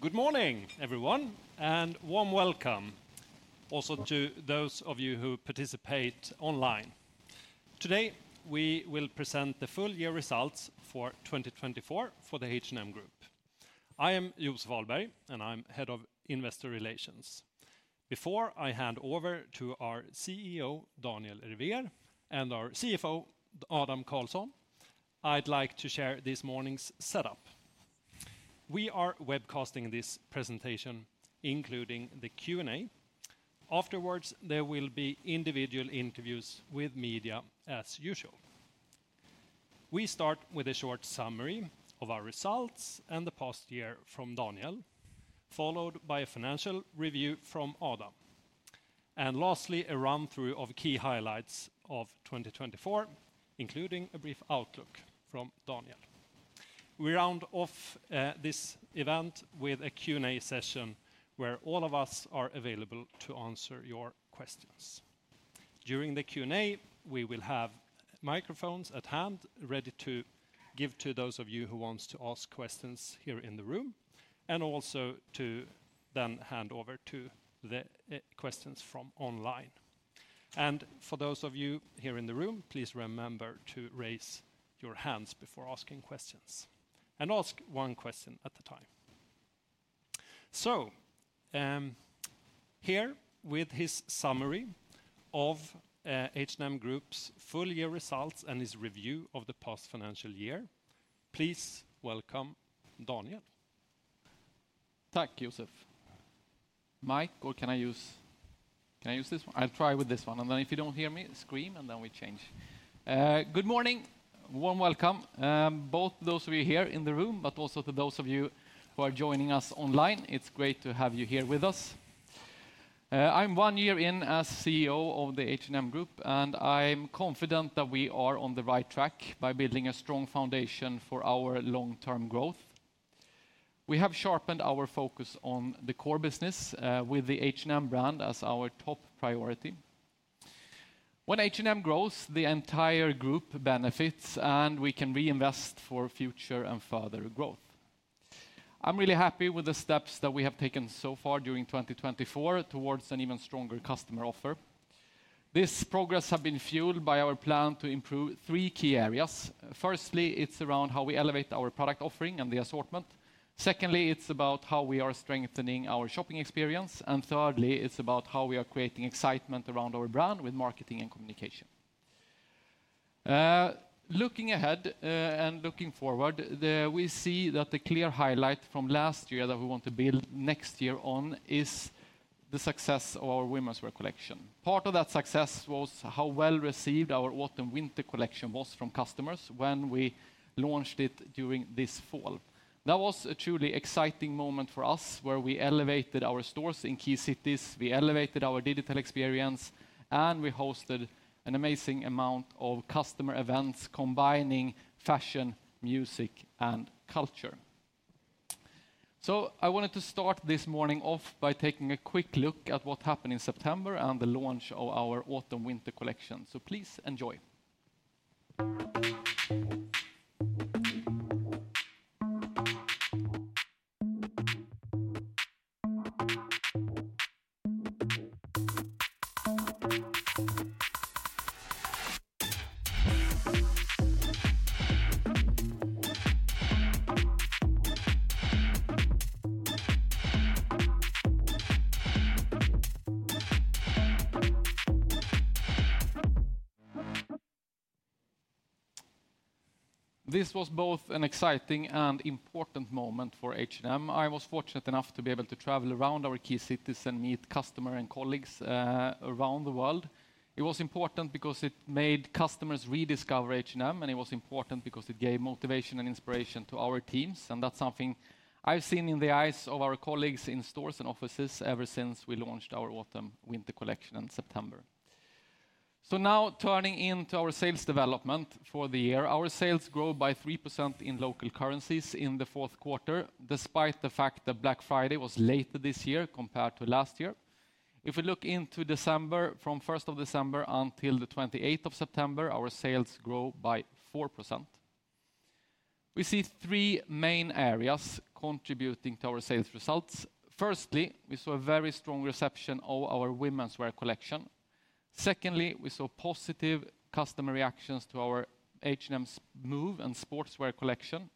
Good morning, everyone, and warm welcome also to those of you who participate online. Today, we will present the full year results for 2024 for the H&M Group. I am Joseph Ahlberg, and I'm head of investor relations. Before I hand over to our CEO, Daniel Ervér, and our CFO, Adam Karlsson, I'd like to share this morning's setup. We are webcasting this presentation, including the Q&A. Afterwards, there will be individual interviews with media, as usual. We start with a short summary of our results and the past year from Daniel, followed by a financial review from Adam, and lastly, a run-through of key highlights of 2024, including a brief outlook from Daniel. We round off this event with a Q&A session where all of us are available to answer your questions. During the Q&A, we will have microphones at hand ready to give to those of you who want to ask questions here in the room, and also to then hand over to the questions from online. And for those of you here in the room, please remember to raise your hands before asking questions, and ask one question at a time. So, here with his summary of H&M Group's full year results and his review of the past financial year, please welcome Daniel. Tack, Joseph. Mic, or can I use this one? I'll try with this one, and then if you don't hear me, scream, and then we change. Good morning, warm welcome both to those of you here in the room, but also to those of you who are joining us online. It's great to have you here with us. I'm one year in as CEO of the H&M Group, and I'm confident that we are on the right track by building a strong foundation for our long-term growth. We have sharpened our focus on the core business with the H&M brand as our top priority. When H&M grows, the entire group benefits, and we can reinvest for future and further growth. I'm really happy with the steps that we have taken so far during 2024 towards an even stronger customer offer. This progress has been fueled by our plan to improve three key areas. Firstly, it's around how we elevate our product offering and the assortment. Secondly, it's about how we are strengthening our shopping experience. And thirdly, it's about how we are creating excitement around our brand with marketing and communication. Looking ahead and looking forward, we see that the clear highlight from last year that we want to build next year on is the success of our women's wear collection. Part of that success was how well received our autumn-winter collection was from customers when we launched it during this fall. That was a truly exciting moment for us where we elevated our stores in key cities, we elevated our digital experience, and we hosted an amazing amount of customer events combining fashion, music, and culture. So I wanted to start this morning off by taking a quick look at what happened in September and the launch of our autumn-winter collection. So please enjoy. This was both an exciting and important moment for H&M. I was fortunate enough to be able to travel around our key cities and meet customers and colleagues around the world. It was important because it made customers rediscover H&M, and it was important because it gave motivation and inspiration to our teams. That's something I've seen in the eyes of our colleagues in stores and offices ever since we launched our autumn-winter collection in September. Now turning into our sales development for the year, our sales grew by 3% in local currencies in the fourth quarter, despite the fact that Black Friday was later this year compared to last year. If we look into December, from 1st of December until the 28th of December, our sales grew by 4%. We see three main areas contributing to our sales results. Firstly, we saw a very strong reception of our women's wear collection. Secondly, we saw positive customer reactions to our H&M Move and sportswear collection.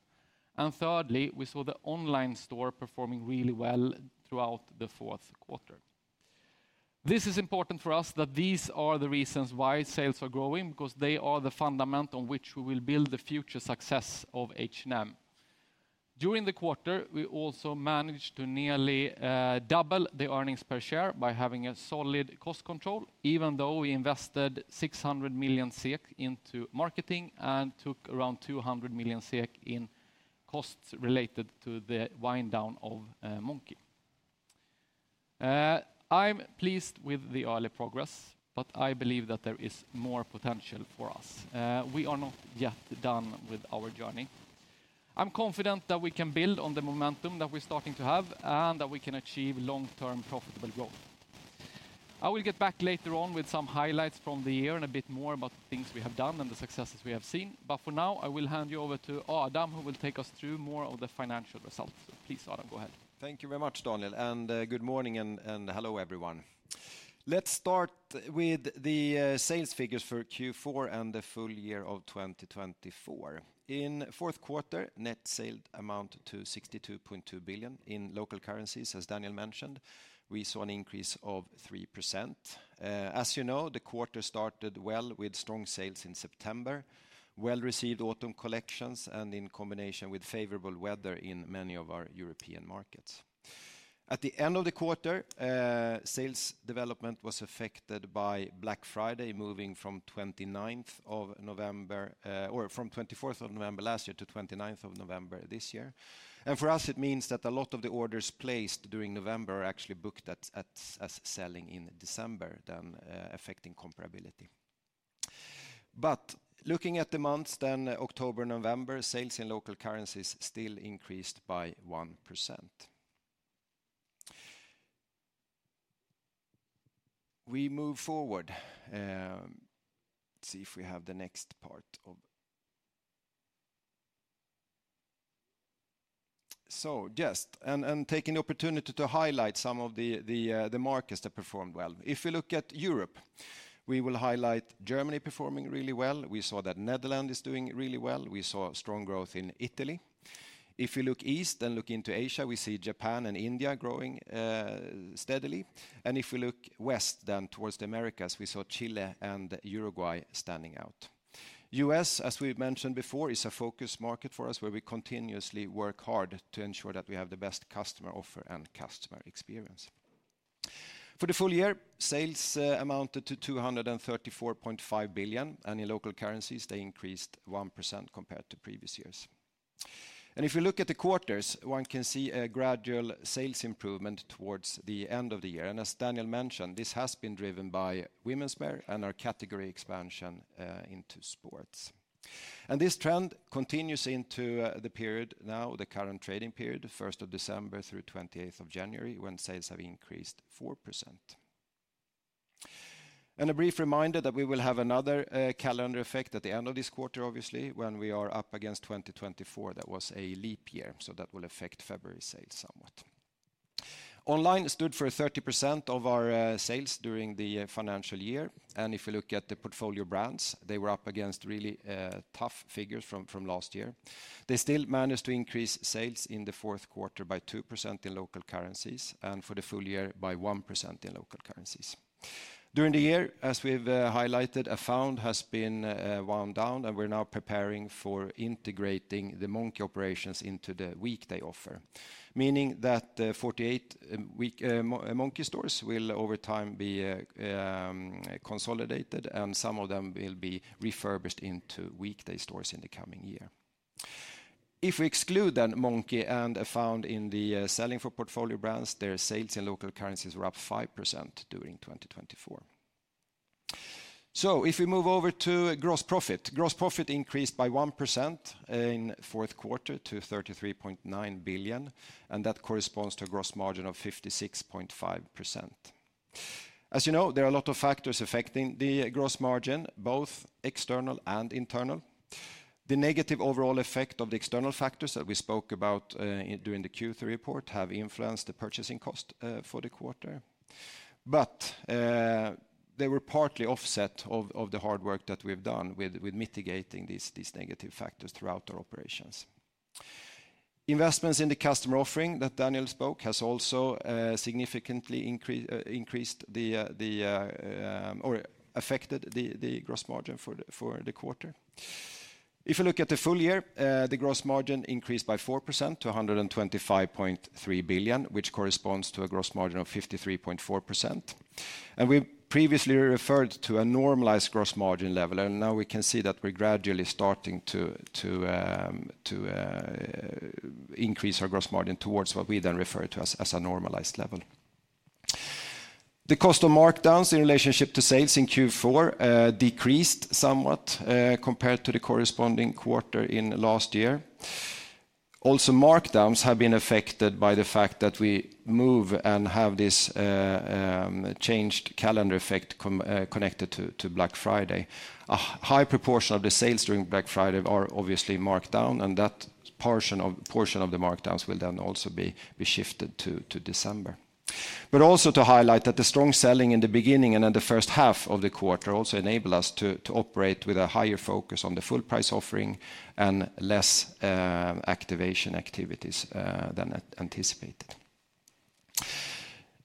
And thirdly, we saw the online store performing really well throughout the fourth quarter. This is important for us that these are the reasons why sales are growing, because they are the fundamental on which we will build the future success of H&M. During the quarter, we also managed to nearly double the earnings per share by having solid cost control, even though we invested 600 million SEK into marketing and took around 200 million SEK in costs related to the wind-down of Monki. I'm pleased with the early progress, but I believe that there is more potential for us. We are not yet done with our journey. I'm confident that we can build on the momentum that we're starting to have and that we can achieve long-term profitable growth. I will get back later on with some highlights from the year and a bit more about things we have done and the successes we have seen. But for now, I will hand you over to Adam, who will take us through more of the financial results. Please, Adam, go ahead. Thank you very much, Daniel, and good morning and hello, everyone. Let's start with the sales figures for Q4 and the full year of 2024. In the fourth quarter, net sales amounted to 62.2 billion SEK in local currencies, as Daniel mentioned. We saw an increase of 3%. As you know, the quarter started well with strong sales in September, well-received autumn collections, and in combination with favorable weather in many of our European markets. At the end of the quarter, sales development was affected by Black Friday moving from 29th of November, or from 24th of November last year to 29th of November this year. And for us, it means that a lot of the orders placed during November are actually booked as selling in December, then affecting comparability. But looking at the months then October and November, sales in local currencies still increased by 1%. We move forward. Let's see if we have the next part of. So just and taking the opportunity to highlight some of the markets that performed well. If we look at Europe, we will highlight Germany performing really well. We saw that Netherlands is doing really well. We saw strong growth in Italy. If we look east and look into Asia, we see Japan and India growing steadily. If we look west then towards the Americas, we saw Chile and Uruguay standing out. U.S., as we've mentioned before, is a focus market for us where we continuously work hard to ensure that we have the best customer offer and customer experience. For the full year, sales amounted to 234.5 billion, and in local currencies, they increased 1% compared to previous years. If we look at the quarters, one can see a gradual sales improvement towards the end of the year. As Daniel mentioned, this has been driven by women's wear and our category expansion into sports. This trend continues into the period now, the current trading period, 1st of December through 28th of January, when sales have increased 4%. A brief reminder that we will have another calendar effect at the end of this quarter, obviously, when we are up against 2024. That was a leap year, so that will affect February sales somewhat. Online stood for 30% of our sales during the financial year. If we look at the portfolio brands, they were up against really tough figures from last year. They still managed to increase sales in the fourth quarter by 2% in local currencies, and for the full year by 1% in local currencies. During the year, as we've highlighted, Afound has been wound down, and we're now preparing for integrating the Monki operations into the Weekday offer, meaning that 48 Monki stores will over time be consolidated, and some of them will be refurbished into Weekday stores in the coming year. If we exclude then Monki and Afound in the selling for portfolio brands, their sales in local currencies were up 5% during 2024. So if we move over to gross profit, gross profit increased by 1% in the fourth quarter to 33.9 billion SEK, and that corresponds to a gross margin of 56.5%. As you know, there are a lot of factors affecting the gross margin, both external and internal. The negative overall effect of the external factors that we spoke about during the Q3 report have influenced the purchasing cost for the quarter, but they were partly offset by the hard work that we've done with mitigating these negative factors throughout our operations. Investments in the customer offering that Daniel spoke has also significantly increased or affected the gross margin for the quarter. If we look at the full year, the gross margin increased by 4% to 125.3 billion, which corresponds to a gross margin of 53.4%, and we previously referred to a normalized gross margin level, and now we can see that we're gradually starting to increase our gross margin towards what we then refer to as a normalized level. The cost of markdowns in relation to sales in Q4 decreased somewhat compared to the corresponding quarter in last year. Also, markdowns have been affected by the fact that we move and have this changed calendar effect connected to Black Friday. A high proportion of the sales during Black Friday are obviously marked down, and that portion of the markdowns will then also be shifted to December. But also to highlight that the strong selling in the beginning and then the first half of the quarter also enabled us to operate with a higher focus on the full price offering and less activation activities than anticipated.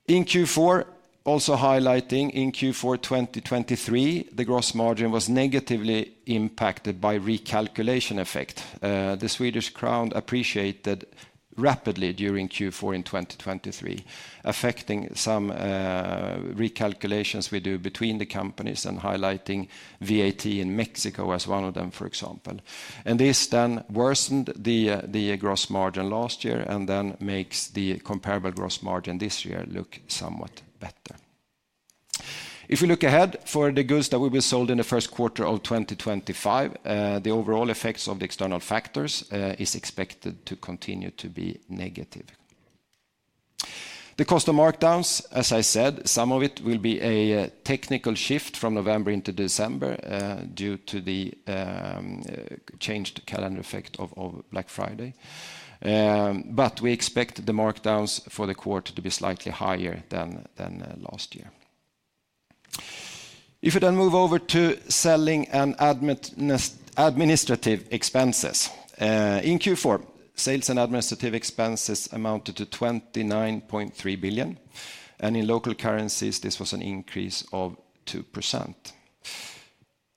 In Q4, also highlighting in Q4 2023, the gross margin was negatively impacted by recalculation effect. The Swedish crown appreciated rapidly during Q4 in 2023, affecting some recalculations we do between the companies and highlighting VAT in Mexico as one of them, for example. This then worsened the gross margin last year and then makes the comparable gross margin this year look somewhat better. If we look ahead for the goods that will be sold in the first quarter of 2025, the overall effects of the external factors are expected to continue to be negative. The cost of markdowns, as I said, some of it will be a technical shift from November into December due to the changed calendar effect of Black Friday. But we expect the markdowns for the quarter to be slightly higher than last year. If we then move over to selling and administrative expenses, in Q4, selling and administrative expenses amounted to 29.3 billion, and in local currencies, this was an increase of 2%.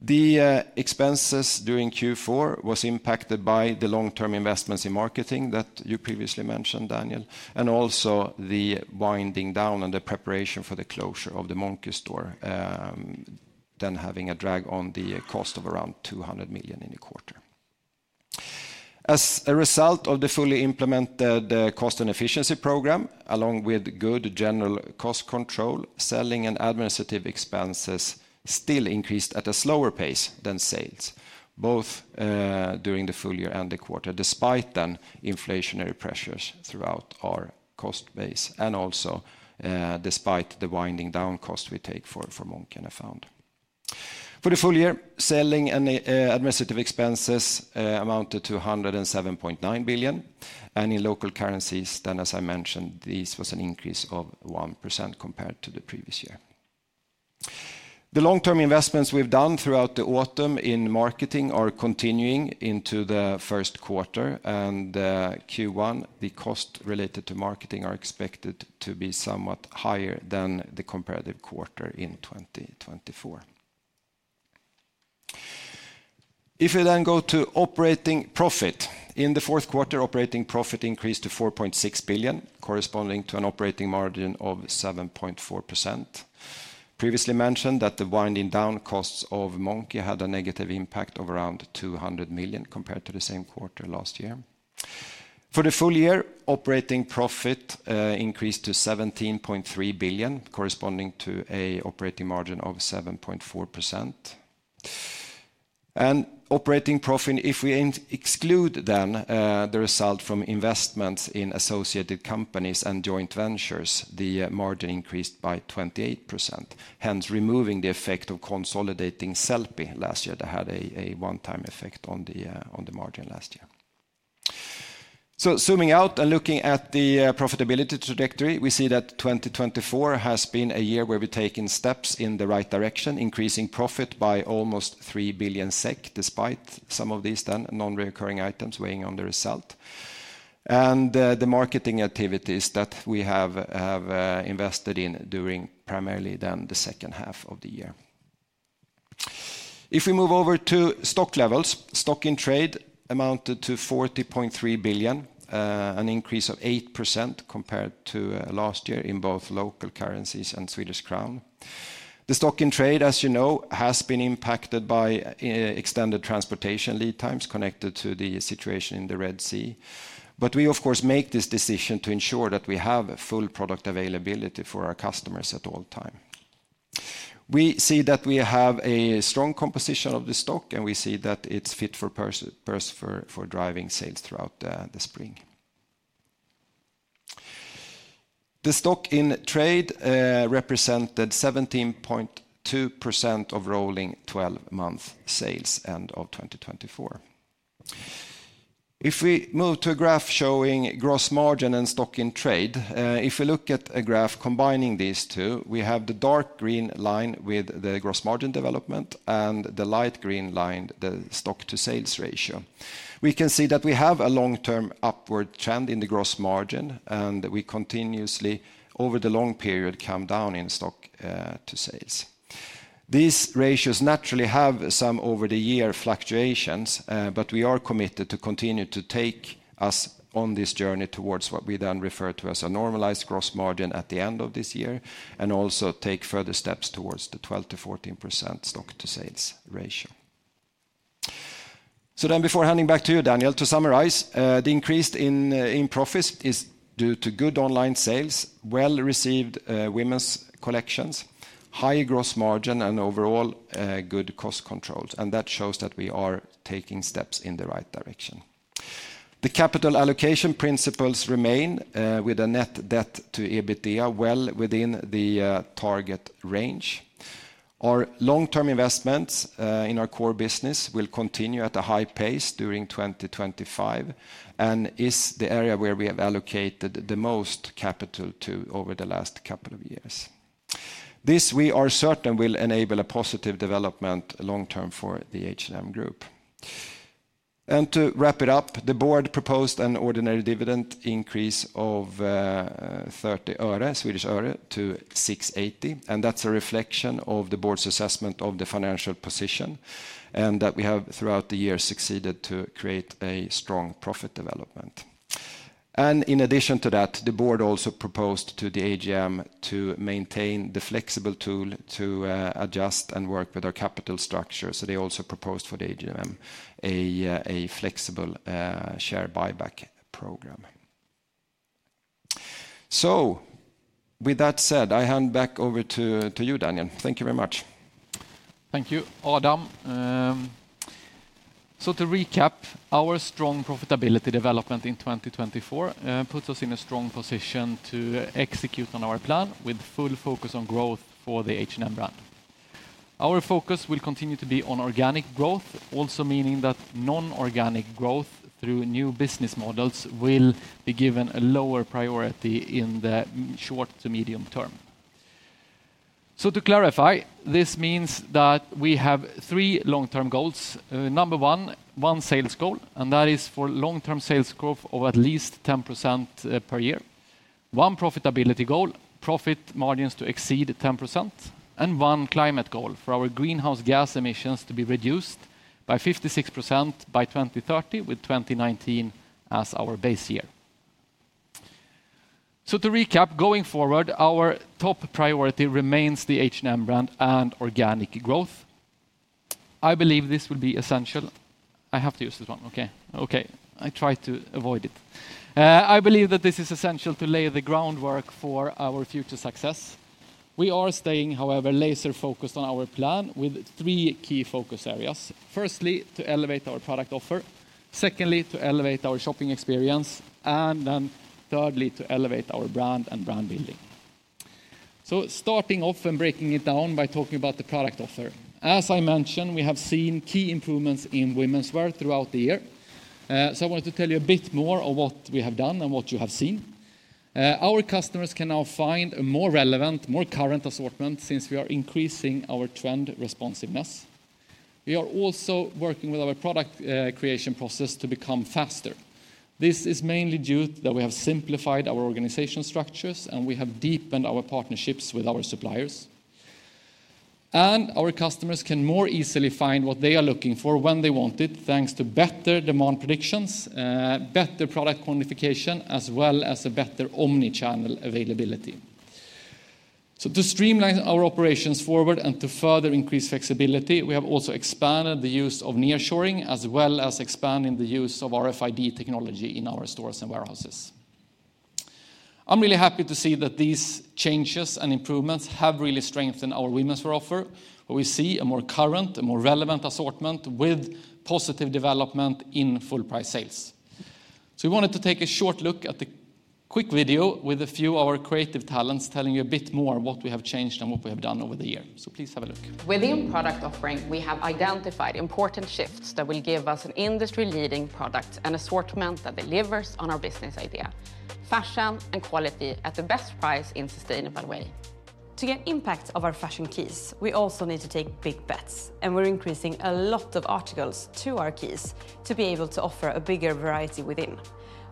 The expenses during Q4 were impacted by the long-term investments in marketing that you previously mentioned, Daniel, and also the winding down and the preparation for the closure of the Monki store, then having a drag on the cost of around 200 million in the quarter. As a result of the fully implemented cost and efficiency program, along with good general cost control, selling and administrative expenses still increased at a slower pace than sales, both during the full year and the quarter, despite then inflationary pressures throughout our cost base and also despite the winding down cost we take for Monki and Afound. For the full year, selling and administrative expenses amounted to 107.9 billion, and in local currencies, then as I mentioned, this was an increase of 1% compared to the previous year. The long-term investments we've done throughout the autumn in marketing are continuing into the first quarter, and Q1, the cost related to marketing are expected to be somewhat higher than the comparative quarter in 2024. If we then go to operating profit, in the fourth quarter, operating profit increased to 4.6 billion, corresponding to an operating margin of 7.4%. Previously mentioned that the winding down costs of Monki had a negative impact of around 200 million compared to the same quarter last year. For the full year, operating profit increased to 17.3 billion, corresponding to an operating margin of 7.4%. Operating profit, if we exclude then the result from investments in associated companies and joint ventures, the margin increased by 28%, hence removing the effect of consolidating Sellpy last year that had a one-time effect on the margin last year. Zooming out and looking at the profitability trajectory, we see that 2024 has been a year where we've taken steps in the right direction, increasing profit by almost 3 billion SEK despite some of these then non-recurring items weighing on the result, and the marketing activities that we have invested in during primarily then the second half of the year. If we move over to stock levels, stock-in-trade amounted to 40.3 billion , an increase of 8% compared to last year in both local currencies and Swedish crown. The stock-in-trade, as you know, has been impacted by extended transportation lead times connected to the situation in the Red Sea. But we, of course, make this decision to ensure that we have full product availability for our customers at all times. We see that we have a strong composition of the stock, and we see that it's fit for driving sales throughout the spring. The stock-in-trade represented 17.2% of rolling 12-month sales end of 2024. If we move to a graph showing gross margin and stock-in-trade, if we look at a graph combining these two, we have the dark green line with the gross margin development and the light green line, the stock-to-sales ratio. We can see that we have a long-term upward trend in the gross margin, and we continuously over the long period come down in stock-to-sales. These ratios naturally have some over-the-year fluctuations, but we are committed to continue to take us on this journey towards what we then refer to as a normalized gross margin at the end of this year and also take further steps towards the 12%-14% stock to sales ratio. So then before handing back to you, Daniel, to summarize, the increase in profits is due to good online sales, well-received women's collections, high gross margin, and overall good cost controls, and that shows that we are taking steps in the right direction. The capital allocation principles remain with a net debt to EBITDA well within the target range. Our long-term investments in our core business will continue at a high pace during 2025 and is the area where we have allocated the most capital to over the last couple of years. This we are certain will enable a positive development long-term for the H&M Group. To wrap it up, the board proposed an ordinary dividend increase of SEK 0.30 to SEK 6.80, and that's a reflection of the board's assessment of the financial position and that we have throughout the year succeeded to create a strong profit development. In addition to that, the board also proposed to the AGM to maintain the flexible tool to adjust and work with our capital structure. They also proposed for the AGM a flexible share buyback program. With that said, I hand back over to you, Daniel. Thank you very much. Thank you, Adam. To recap, our strong profitability development in 2024 puts us in a strong position to execute on our plan with full focus on growth for the H&M brand. Our focus will continue to be on organic growth, also meaning that non-organic growth through new business models will be given a lower priority in the short to medium term. So to clarify, this means that we have three long-term goals. Number one, one sales goal, and that is for long-term sales growth of at least 10% per year. One profitability goal, profit margins to exceed 10%, and one climate goal for our greenhouse gas emissions to be reduced by 56% by 2030 with 2019 as our base year. So to recap, going forward, our top priority remains the H&M brand and organic growth. I believe this will be essential. I have to use this one, okay? Okay, I try to avoid it. I believe that this is essential to lay the groundwork for our future success. We are staying, however, laser-focused on our plan with three key focus areas. Firstly, to elevate our product offer. Secondly, to elevate our shopping experience, and then thirdly, to elevate our brand and brand building. Starting off and breaking it down by talking about the product offer. As I mentioned, we have seen key improvements in women's wear throughout the year. I wanted to tell you a bit more of what we have done and what you have seen. Our customers can now find a more relevant, more current assortment since we are increasing our trend responsiveness. We are also working with our product creation process to become faster. This is mainly due to that we have simplified our organization structures and we have deepened our partnerships with our suppliers. Our customers can more easily find what they are looking for when they want it, thanks to better demand predictions, better product quantification, as well as a better omnichannel availability. To streamline our operations forward and to further increase flexibility, we have also expanded the use of nearshoring as well as expanding the use of RFID technology in our stores and warehouses. I'm really happy to see that these changes and improvements have really strengthened our women's wear offer. We see a more current, a more relevant assortment with positive development in full price sales. We wanted to take a short look at the quick video with a few of our creative talents telling you a bit more of what we have changed and what we have done over the year. Please have a look. Within product offering, we have identified important shifts that will give us an industry-leading product and assortment that delivers on our business idea: fashion and quality at the best price in a sustainable way. To get impact of our fashion keys, we also need to take big bets, and we're increasing a lot of articles to our keys to be able to offer a bigger variety within.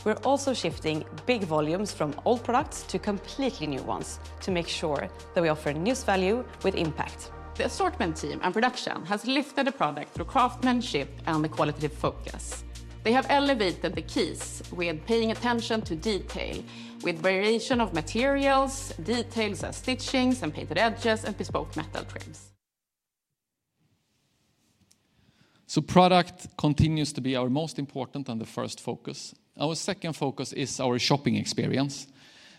We're also shifting big volumes from old products to completely new ones to make sure that we offer newest value with impact. The assortment team and production has lifted the product through craftsmanship and the qualitative focus. They have elevated the keys with paying attention to detail, with variation of materials, details as stitchings and painted edges and bespoke metal trims. So product continues to be our most important and the first focus. Our second focus is our shopping experience,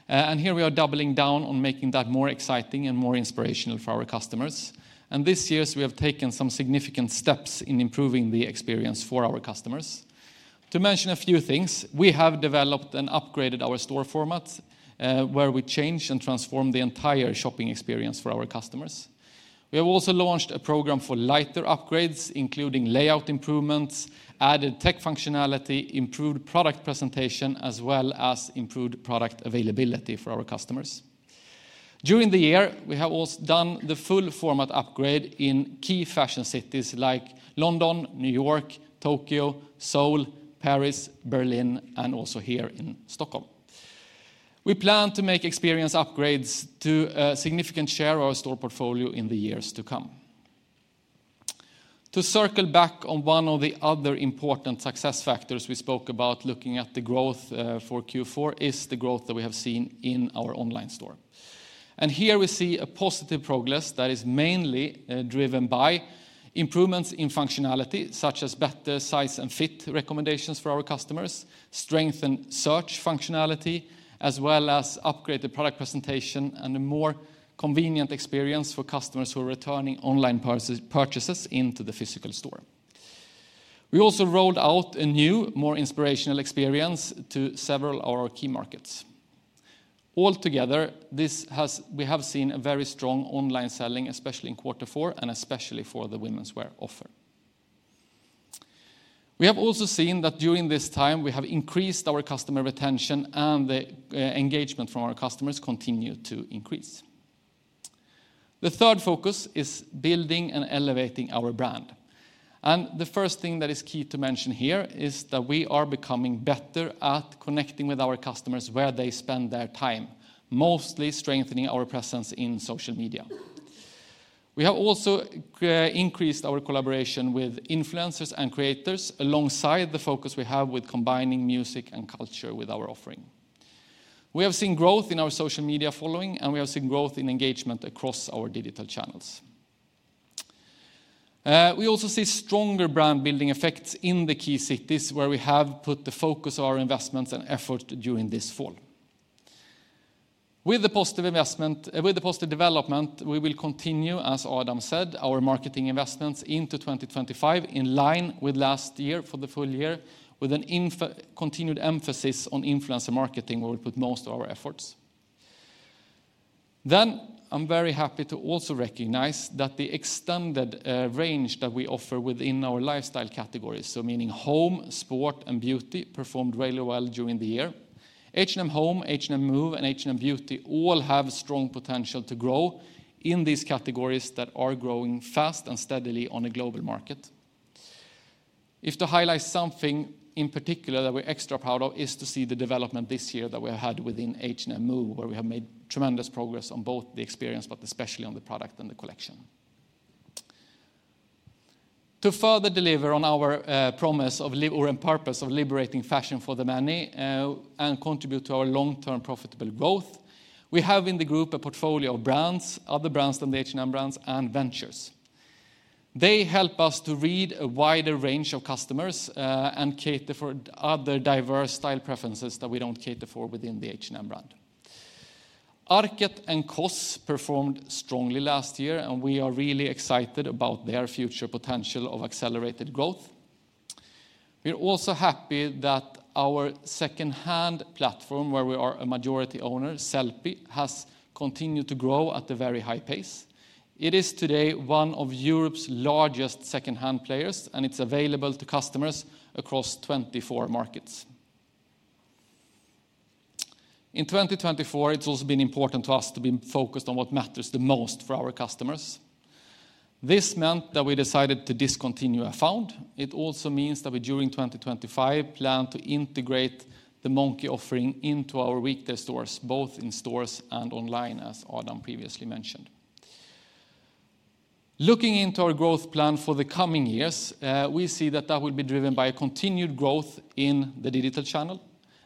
and here we are doubling down on making that more exciting and more inspirational for our customers, and this year, we have taken some significant steps in improving the experience for our customers. To mention a few things, we have developed and upgraded our store format where we change and transform the entire shopping experience for our customers. We have also launched a program for lighter upgrades, including layout improvements, added tech functionality, improved product presentation, as well as improved product availability for our customers. During the year, we have also done the full format upgrade in key fashion cities like London, New York, Tokyo, Seoul, Paris, Berlin, and also here in Stockholm. We plan to make experience upgrades to a significant share of our store portfolio in the years to come. To circle back on one of the other important success factors we spoke about, looking at the growth for Q4 is the growth that we have seen in our online store. Here we see a positive progress that is mainly driven by improvements in functionality, such as better size and fit recommendations for our customers, strengthened search functionality, as well as upgraded product presentation and a more convenient experience for customers who are returning online purchases into the physical store. We also rolled out a new, more inspirational experience to several of our key markets. Altogether, we have seen a very strong online selling, especially in quarter four and especially for the women's wear offer. We have also seen that during this time, we have increased our customer retention and the engagement from our customers continues to increase. The third focus is building and elevating our brand. The first thing that is key to mention here is that we are becoming better at connecting with our customers where they spend their time, mostly strengthening our presence in social media. We have also increased our collaboration with influencers and creators alongside the focus we have with combining music and culture with our offering. We have seen growth in our social media following, and we have seen growth in engagement across our digital channels. We also see stronger brand building effects in the key cities where we have put the focus of our investments and effort during this fall. With the positive investment, with the positive development, we will continue, as Adam said, our marketing investments into 2025 in line with last year for the full year, with a continued emphasis on influencer marketing where we put most of our efforts. Then I'm very happy to also recognize that the extended range that we offer within our lifestyle categories, so meaning home, sport, and beauty, performed really well during the year. H&M Home, H&M Move, and H&M Beauty all have strong potential to grow in these categories that are growing fast and steadily on a global market. If to highlight something in particular that we're extra proud of is to see the development this year that we have had within H&M Move, where we have made tremendous progress on both the experience, but especially on the product and the collection. To further deliver on our promise of and purpose of liberating fashion for the many and contribute to our long-term profitable growth, we have in the group a portfolio of brands, other brands than the H&M brands, and ventures. They help us to read a wider range of customers and cater for other diverse style preferences that we don't cater for within the H&M brand. Arket and COS performed strongly last year, and we are really excited about their future potential of accelerated growth. We're also happy that our secondhand platform, where we are a majority owner, Sellpy, has continued to grow at a very high pace. It is today one of Europe's largest secondhand players, and it's available to customers across 24 markets. In 2024, it's also been important to us to be focused on what matters the most for our customers. This meant that we decided to discontinue Afound. It also means that we during 2025 plan to integrate the Monki offering into our Weekday stores, both in stores and online, as Adam previously mentioned. Looking into our growth plan for the coming years, we see that that will be driven by continued growth in the digital channel,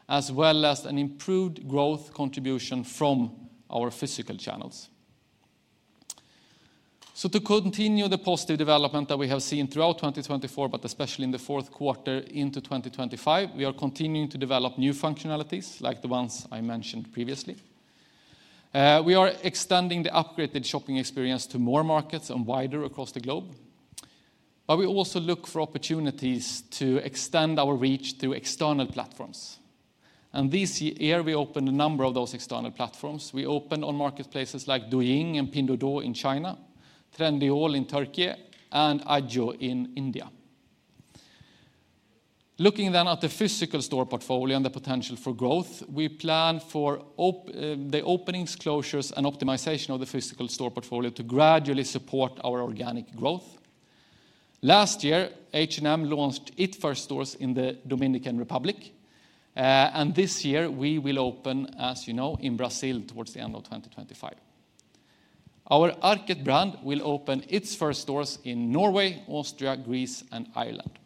as well as an improved growth contribution from our physical channels. To continue the positive development that we have seen throughout 2024, but especially in the fourth quarter into 2025, we are continuing to develop new functionalities like the ones I mentioned previously. We are extending the upgraded shopping experience to more markets and wider across the globe. But we also look for opportunities to extend our reach through external platforms. And this year, we opened a number of those external platforms. We opened on marketplaces like Douyin and Pinduoduo in China, Trendyol in Türkiye, and Ajio in India. Looking then at the physical store portfolio and the potential for growth, we plan for the openings, closures, and optimization of the physical store portfolio to gradually support our organic growth. Last year, H&M launched its first stores in the Dominican Republic. And this year, we will open, as you know, in Brazil towards the end of 2025. Our Arket brand will open its first stores in Norway, Austria, Greece, and Ireland.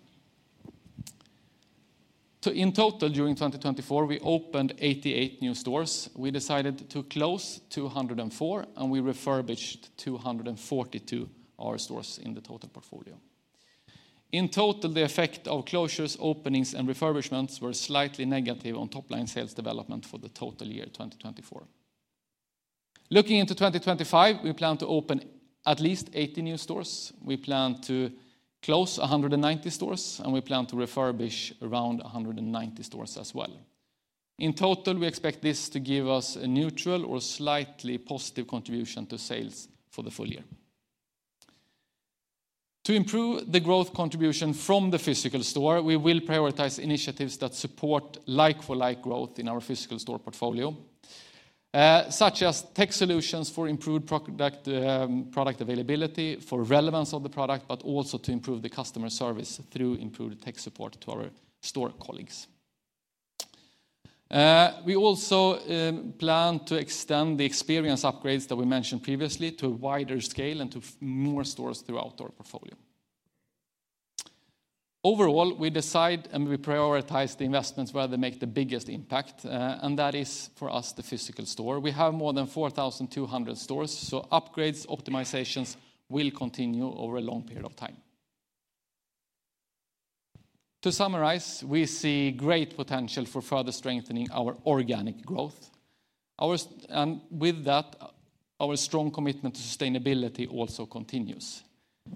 So in total, during 2024, we opened 88 new stores. We decided to close 204, and we refurbished 242 of our stores in the total portfolio. In total, the effect of closures, openings, and refurbishments were slightly negative on top-line sales development for the total year 2024. Looking into 2025, we plan to open at least 80 new stores. We plan to close 190 stores, and we plan to refurbish around 190 stores as well. In total, we expect this to give us a neutral or slightly positive contribution to sales for the full year. To improve the growth contribution from the physical store, we will prioritize initiatives that support like-for-like growth in our physical store portfolio, such as tech solutions for improved product availability, for relevance of the product, but also to improve the customer service through improved tech support to our store colleagues. We also plan to extend the experience upgrades that we mentioned previously to a wider scale and to more stores throughout our portfolio. Overall, we decide and we prioritize the investments where they make the biggest impact, and that is for us the physical store. We have more than 4,200 stores, so upgrades, optimizations will continue over a long period of time. To summarize, we see great potential for further strengthening our organic growth. With that, our strong commitment to sustainability also continues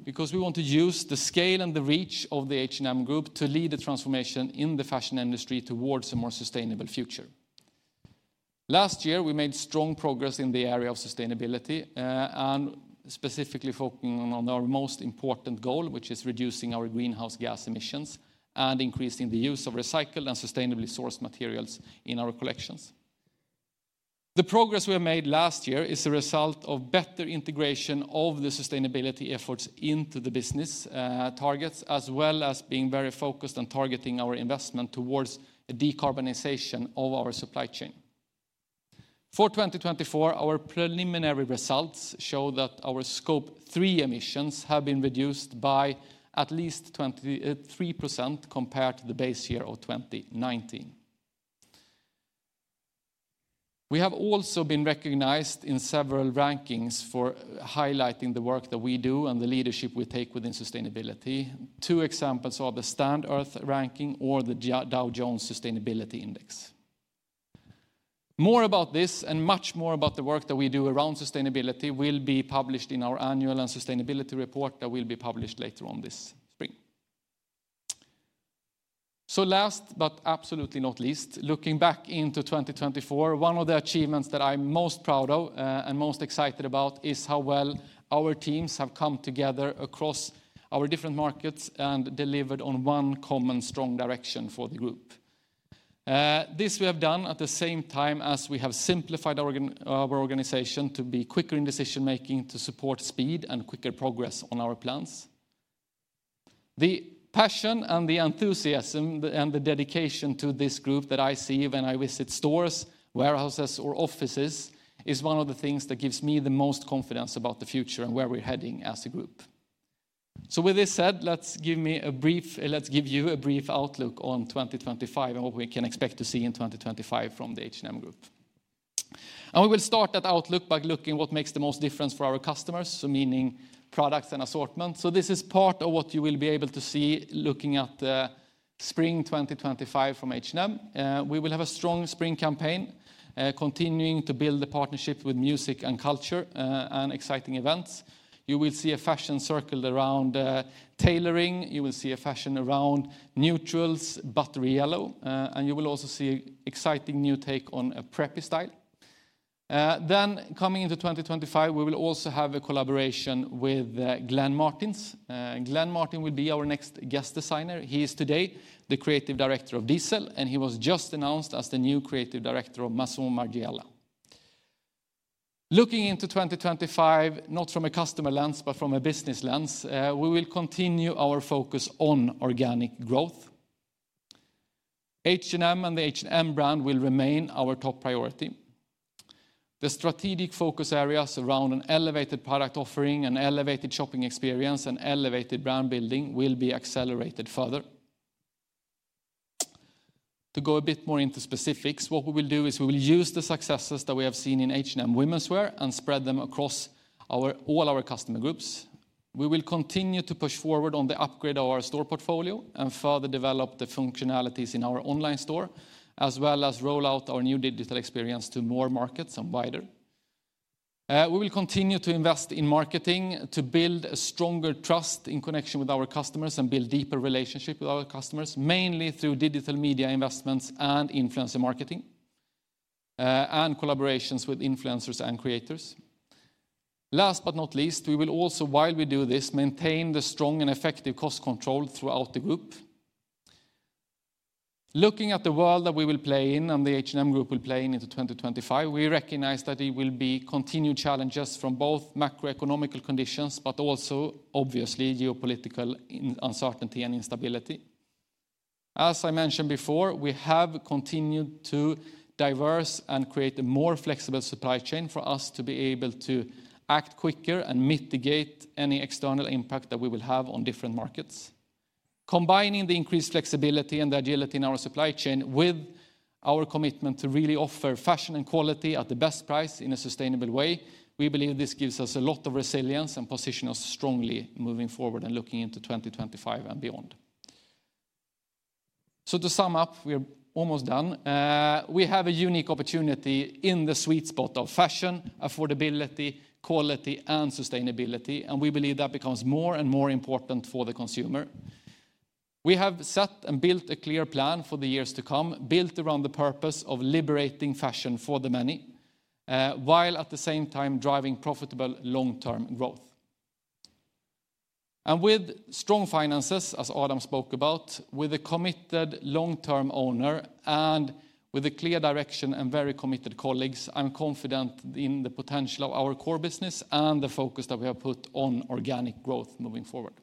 because we want to use the scale and the reach of the H&M Group to lead the transformation in the fashion industry towards a more sustainable future. Last year, we made strong progress in the area of sustainability and specifically focusing on our most important goal, which is reducing our greenhouse gas emissions and increasing the use of recycled and sustainably sourced materials in our collections. The progress we have made last year is a result of better integration of the sustainability efforts into the business targets, as well as being very focused on targeting our investment towards a decarbonization of our supply chain. For 2024, our preliminary results show that our Scope 3 emissions have been reduced by at least 23% compared to the base year of 2019. We have also been recognized in several rankings for highlighting the work that we do and the leadership we take within sustainability. Two examples are the Stand.earth ranking or the Dow Jones Sustainability Index. More about this and much more about the work that we do around sustainability will be published in our Annual and Sustainability Report that will be published later on this spring, so last, but absolutely not least, looking back into 2024, one of the achievements that I'm most proud of and most excited about is how well our teams have come together across our different markets and delivered on one common strong direction for the group. This we have done at the same time as we have simplified our organization to be quicker in decision-making to support speed and quicker progress on our plans. The passion and the enthusiasm and the dedication to this group that I see when I visit stores, warehouses, or offices is one of the things that gives me the most confidence about the future and where we're heading as a group. So with this said, let's give you a brief outlook on 2025 and what we can expect to see in 2025 from the H&M Group. And we will start that outlook by looking at what makes the most difference for our customers, so meaning products and assortments. So this is part of what you will be able to see looking at Spring 2025 from H&M. We will have a strong spring campaign, continuing to build the partnership with music and culture and exciting events. You will see a fashion centered around tailoring. You will see a fashion around neutrals, buttery yellow, and you will also see an exciting new take on a preppy style. Then coming into 2025, we will also have a collaboration with Glenn Martens. Glenn Martens will be our next guest designer. He is today the creative director of Diesel, and he was just announced as the new creative director of Maison Margiela. Looking into 2025, not from a customer lens, but from a business lens, we will continue our focus on organic growth. H&M and the H&M brand will remain our top priority. The strategic focus areas around an elevated product offering, an elevated shopping experience, and elevated brand building will be accelerated further. To go a bit more into specifics, what we will do is we will use the successes that we have seen in H&M women's wear and spread them across all our customer groups. We will continue to push forward on the upgrade of our store portfolio and further develop the functionalities in our online store, as well as roll out our new digital experience to more markets and wider. We will continue to invest in marketing to build a stronger trust in connection with our customers and build deeper relationships with our customers, mainly through digital media investments and influencer marketing and collaborations with influencers and creators. Last but not least, we will also, while we do this, maintain the strong and effective cost control throughout the group. Looking at the world that we will play in and the H&M Group will play in into 2025, we recognize that there will be continued challenges from both macroeconomic conditions, but also obviously geopolitical uncertainty and instability. As I mentioned before, we have continued to diversify and create a more flexible supply chain for us to be able to act quicker and mitigate any external impact that we will have on different markets. Combining the increased flexibility and the agility in our supply chain with our commitment to really offer fashion and quality at the best price in a sustainable way, we believe this gives us a lot of resilience and positions strongly moving forward and looking into 2025 and beyond. So to sum up, we are almost done. We have a unique opportunity in the sweet spot of fashion, affordability, quality, and sustainability, and we believe that becomes more and more important for the consumer. We have set and built a clear plan for the years to come, built around the purpose of liberating fashion for the many, while at the same time driving profitable long-term growth. And with strong finances, as Adam spoke about, with a committed long-term owner, and with a clear direction and very committed colleagues, I'm confident in the potential of our core business and the focus that we have put on organic growth moving forward.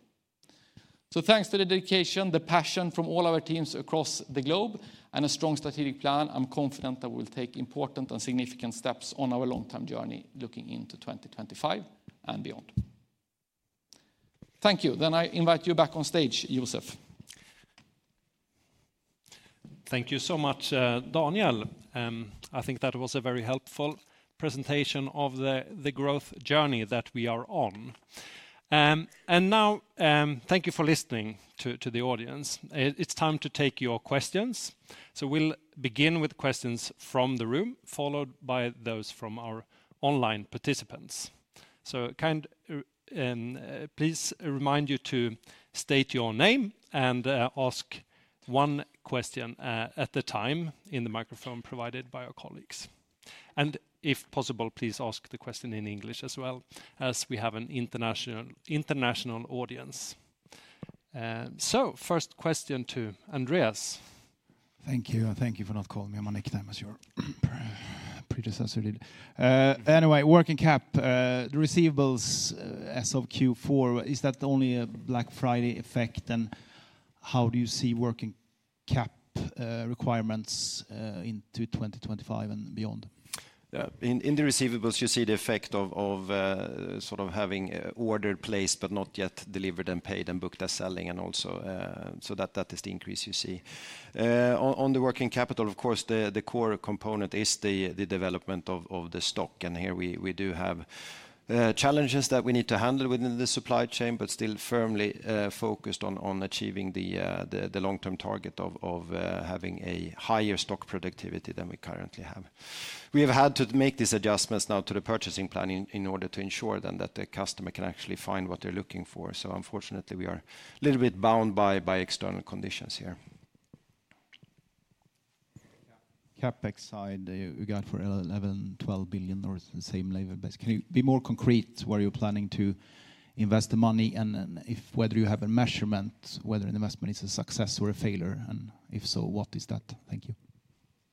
So thanks to the dedication, the passion from all our teams across the globe, and a strong strategic plan, I'm confident that we will take important and significant steps on our long-term journey looking into 2025 and beyond. Thank you. Then I invite you back on stage, Joseph. Thank you so much, Daniel. I think that was a very helpful presentation of the growth journey that we are on. And now, thank you for listening to the audience. It's time to take your questions. So we'll begin with questions from the room, followed by those from our online participants. So kindly please remind you to state your name and ask one question at a time in the microphone provided by our colleagues. And if possible, please ask the question in English as well, as we have an international audience. So first question to Andreas. Thank you. And thank you for not calling me on my nickname as your predecessor did. Anyway, working cap, the receivables as of Q4, is that only a Black Friday effect? And how do you see working cap requirements into 2025 and beyond? In the receivables, you see the effect of sort of having order placed, but not yet delivered and paid and booked as selling, and also so that that is the increase you see. On the working capital, of course, the core component is the development of the stock, and here we do have challenges that we need to handle within the supply chain, but still firmly focused on achieving the long-term target of having a higher stock productivity than we currently have. We have had to make these adjustments now to the purchasing plan in order to ensure then that the customer can actually find what they're looking for, so unfortunately, we are a little bit bound by external conditions here. CapEx side, you got for 11-12 billion SEK or the same level base. Can you be more concrete where you're planning to invest the money and whether you have a measurement, whether an investment is a success or a failure? And if so, what is that? Thank you.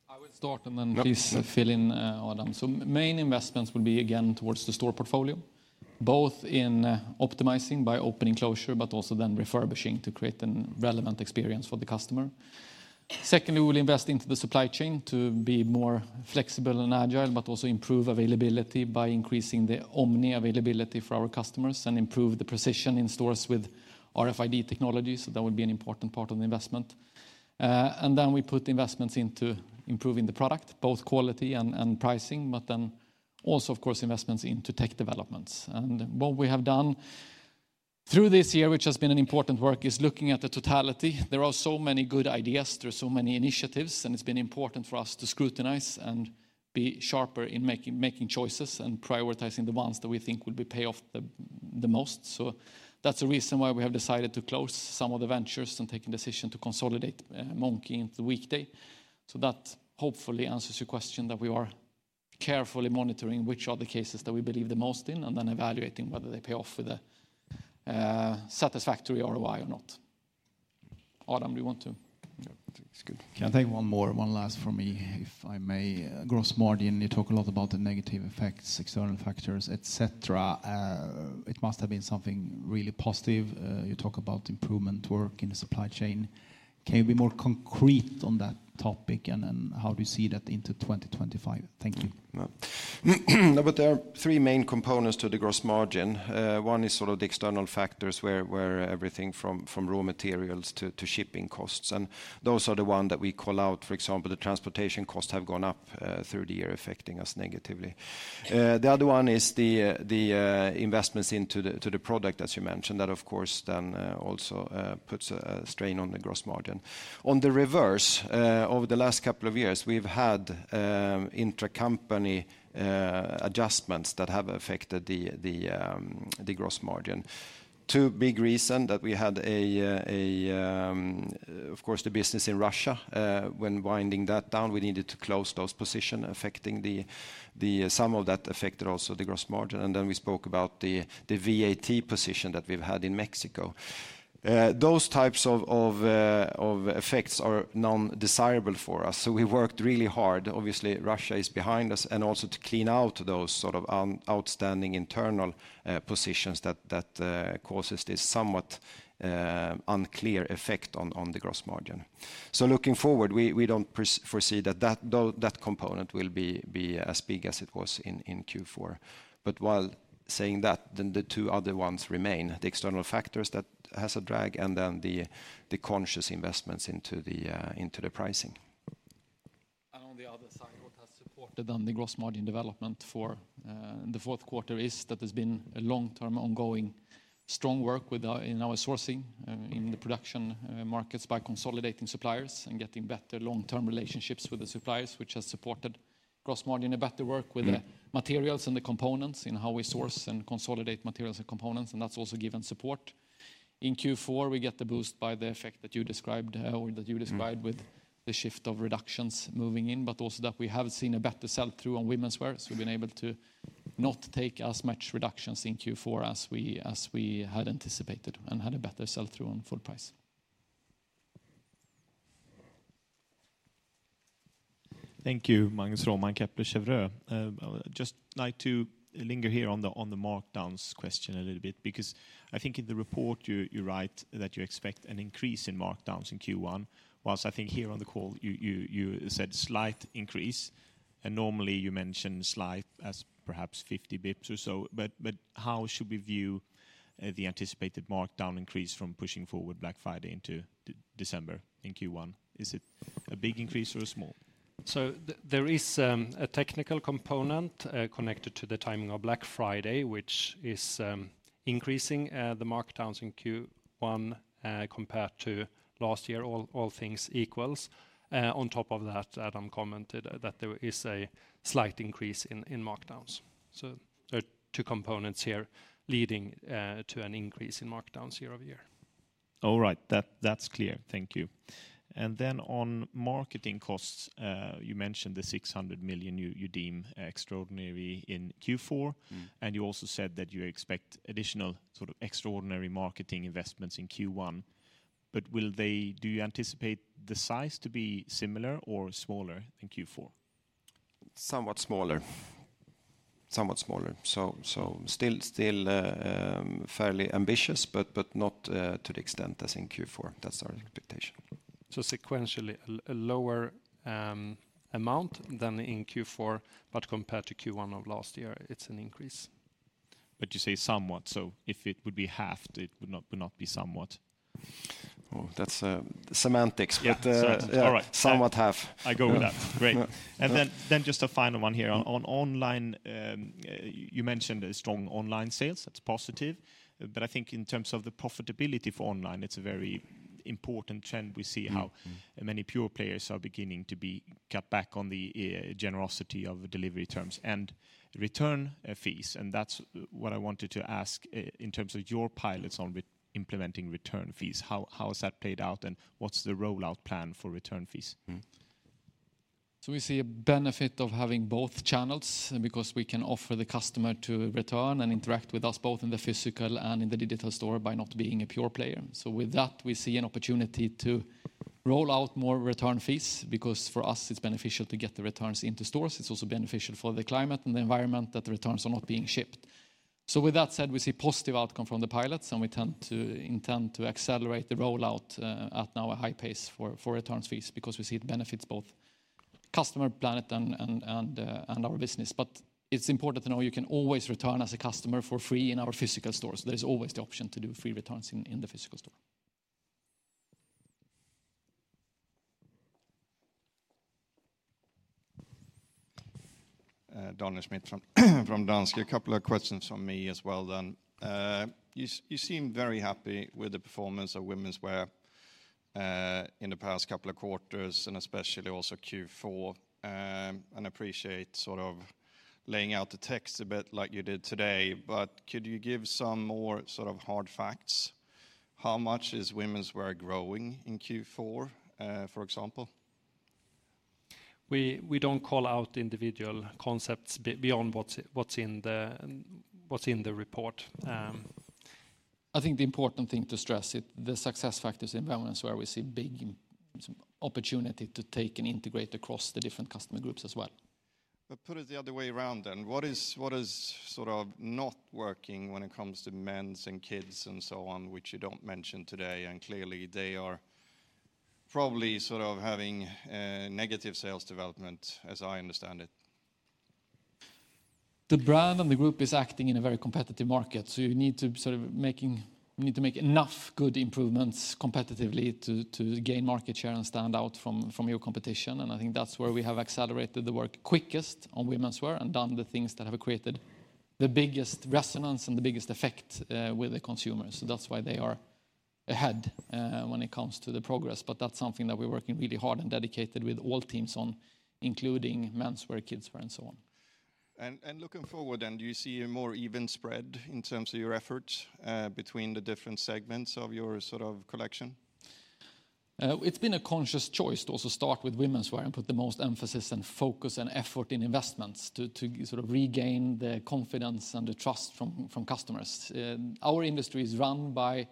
I will start and then please fill in, Adam. So main investments will be again towards the store portfolio, both in optimizing by openings and closures, but also then refurbishing to create a relevant experience for the customer. Secondly, we will invest into the supply chain to be more flexible and agile, but also improve availability by increasing the omnichannel availability for our customers and improve the precision in stores with RFID technology. So that will be an important part of the investment. And then we put investments into improving the product, both quality and pricing, but then also, of course, investments into tech developments. What we have done through this year, which has been an important work, is looking at the totality. There are so many good ideas. There are so many initiatives, and it's been important for us to scrutinize and be sharper in making choices and prioritizing the ones that we think will pay off the most. That's a reason why we have decided to close some of the ventures and take a decision to consolidate Monki into Weekday. That hopefully answers your question that we are carefully monitoring which are the cases that we believe the most in and then evaluating whether they pay off with a satisfactory ROI or not. Adam, do you want to? Can I take one more, one last for me, if I may? Gross Margin, you talk a lot about the negative effects, external factors, etc. It must have been something really positive. You talk about improvement work in the supply chain. Can you be more concrete on that topic and how do you see that into 2025? Thank you, but there are three main components to the gross margin. One is sort of the external factors where everything from raw materials to shipping costs, and those are the ones that we call out. For example, the transportation costs have gone up through the year, affecting us negatively. The other one is the investments into the product, as you mentioned, that of course then also puts a strain on the gross margin. On the reverse, over the last couple of years, we've had intracompany adjustments that have affected the gross margin. Two big reasons that we had, of course, the business in Russia. When winding that down, we needed to close those positions affecting the sum of that affected also the gross margin, and then we spoke about the VAT position that we've had in Mexico. Those types of effects are non-desirable for us, so we worked really hard. Obviously, Russia is behind us and also to clean out those sort of outstanding internal positions that causes this somewhat unclear effect on the gross margin, so looking forward, we don't foresee that that component will be as big as it was in Q4. But while saying that, then the two other ones remain, the external factors that have a drag and then the conscious investments into the pricing. And on the other side, what has supported then the gross margin development for the fourth quarter is that there's been a long-term ongoing strong work in our sourcing in the production markets by consolidating suppliers and getting better long-term relationships with the suppliers, which has supported gross margin and better work with the materials and the components in how we source and consolidate materials and components. And that's also given support. In Q4, we get the boost by the effect that you described or that you described with the shift of reductions moving in, but also that we have seen a better sell-through on women's wear. So we've been able to not take as much reductions in Q4 as we had anticipated and had a better sell-through on full price. Thank you, Magnus Råman, Kepler Cheuvreux. just like to linger here on the markdowns question a little bit because I think in the report you write that you expect an increase in markdowns in Q1, while I think here on the call you said slight increase. And normally you mentioned slight as perhaps 50 basis points or so. But how should we view the anticipated markdown increase from pushing forward Black Friday into December in Q1? Is it a big increase or a small? So there is a technical component connected to the timing of Black Friday, which is increasing the markdowns in Q1 compared to last year, all things equal. On top of that, Adam commented that there is a slight increase in markdowns. So there are two components here leading to an increase in markdowns year over year. All right, that's clear. Thank you. And then on marketing costs, you mentioned the 600 million you deem extraordinary in Q4. And you also said that you expect additional sort of extraordinary marketing investments in Q1. But what do you anticipate the size to be, similar or smaller than Q4? Somewhat smaller. Somewhat smaller. So still fairly ambitious, but not to the extent as in Q4. That's our expectation. So sequentially a lower amount than in Q4, but compared to Q1 of last year, it's an increase. But you say somewhat. So if it would be half, it would not be somewhat. That's semantics, but somewhat half. I go with that. Great. And then just a final one here. On online, you mentioned strong online sales. That's positive. But I think in terms of the profitability for online, it's a very important trend. We see how many pure players are beginning to cut back on the generosity of delivery terms and return fees. And that's what I wanted to ask in terms of your pilots on implementing return fees. How has that played out and what's the rollout plan for return fees? So we see a benefit of having both channels because we can offer the customer to return and interact with us both in the physical and in the digital store by not being a pure player. So with that, we see an opportunity to roll out more return fees because for us, it's beneficial to get the returns into stores. It's also beneficial for the climate and the environment that the returns are not being shipped. So with that said, we see positive outcome from the pilots and we tend to intend to accelerate the rollout at now a high pace for return fees because we see it benefits both customer, planet, and our business. But it's important to know you can always return as a customer for free in our physical store. So there's always the option to do free returns in the physical store. Daniel Schmidt from Danske Bank. A couple of questions for me as well then. You seem very happy with the performance of women's wear in the past couple of quarters and especially also Q4 and appreciate sort of laying out the text a bit like you did today. But could you give some more sort of hard facts? How much is women's wear growing in Q4, for example? We don't call out individual concepts beyond what's in the report. I think the important thing to stress is the success factors in women's wear. We see big opportunity to take and integrate across the different customer groups as well. But put it the other way around then. What is sort of not working when it comes to men's and kids and so on, which you don't mention today? And clearly they are probably sort of having negative sales development as I understand it. The brand and the group is acting in a very competitive market. So you need to sort of make enough good improvements competitively to gain market share and stand out from your competition. And I think that's where we have accelerated the work quickest on women's wear and done the things that have created the biggest resonance and the biggest effect with the consumers. So that's why they are ahead when it comes to the progress. That's something that we're working really hard and dedicated with all teams on, including men's wear, kids' wear, and so on. Looking forward, do you see a more even spread in terms of your efforts between the different segments of your sort of collection? It's been a conscious choice to also start with women's wear and put the most emphasis and focus and effort in investments to sort of regain the confidence and the trust from customers. Our industry is run by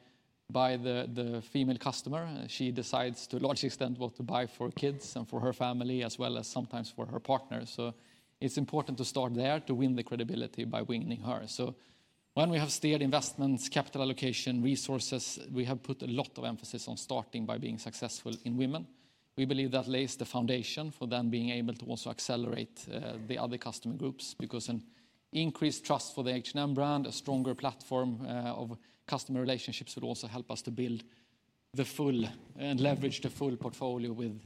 the female customer. She decides to a large extent what to buy for kids and for her family, as well as sometimes for her partner. So it's important to start there to win the credibility by winning her. So when we have steered investments, capital allocation, resources, we have put a lot of emphasis on starting by being successful in women. We believe that lays the foundation for then being able to also accelerate the other customer groups because an increased trust for the H&M brand, a stronger platform of customer relationships would also help us to build the full and leverage the full portfolio with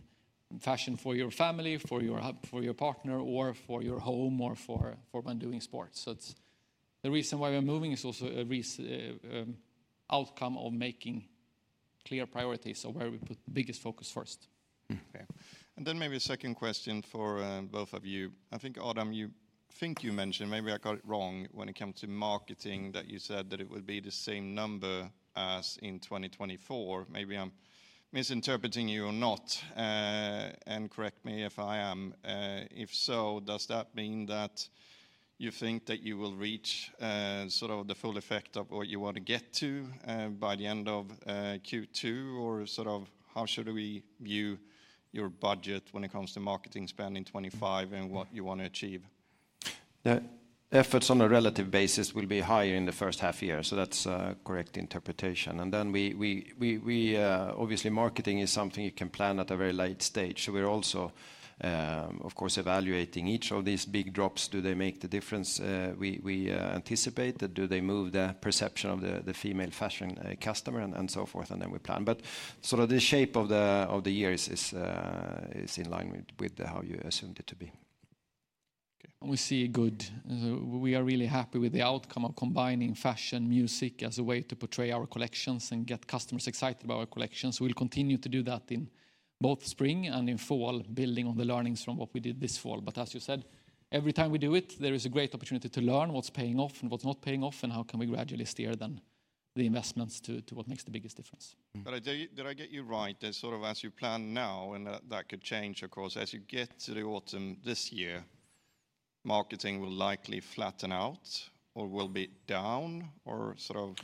fashion for your family, for your partner, or for your home, or for when doing sports. So the reason why we're moving is also a reason outcome of making clear priorities of where we put the biggest focus first. Okay, and then maybe a second question for both of you. I think, Adam, you think you mentioned, maybe I got it wrong when it comes to marketing, that you said that it would be the same number as in 2024. Maybe I'm misinterpreting you or not, and correct me if I am. If so, does that mean that you think that you will reach sort of the full effect of what you want to get to by the end of Q2? Or sort of how should we view your budget when it comes to marketing spend in 2025 and what you want to achieve? The efforts on a relative basis will be higher in the first half year. So that's a correct interpretation, and then obviously marketing is something you can plan at a very late stage. So we're also, of course, evaluating each of these big drops. Do they make the difference? We anticipate that. Do they move the perception of the female fashion customer and so forth? And then we plan, but sort of the shape of the year is in line with how you assumed it to be, and we see good. We are really happy with the outcome of combining fashion, music as a way to portray our collections and get customers excited about our collections. We'll continue to do that in both spring and in fall, building on the learnings from what we did this fall. But as you said, every time we do it, there is a great opportunity to learn what's paying off and what's not paying off and how can we gradually steer then the investments to what makes the biggest difference. Did I get you right? And sort of as you plan now, and that could change, of course, as you get to the autumn this year, marketing will likely flatten out or will be down or sort of?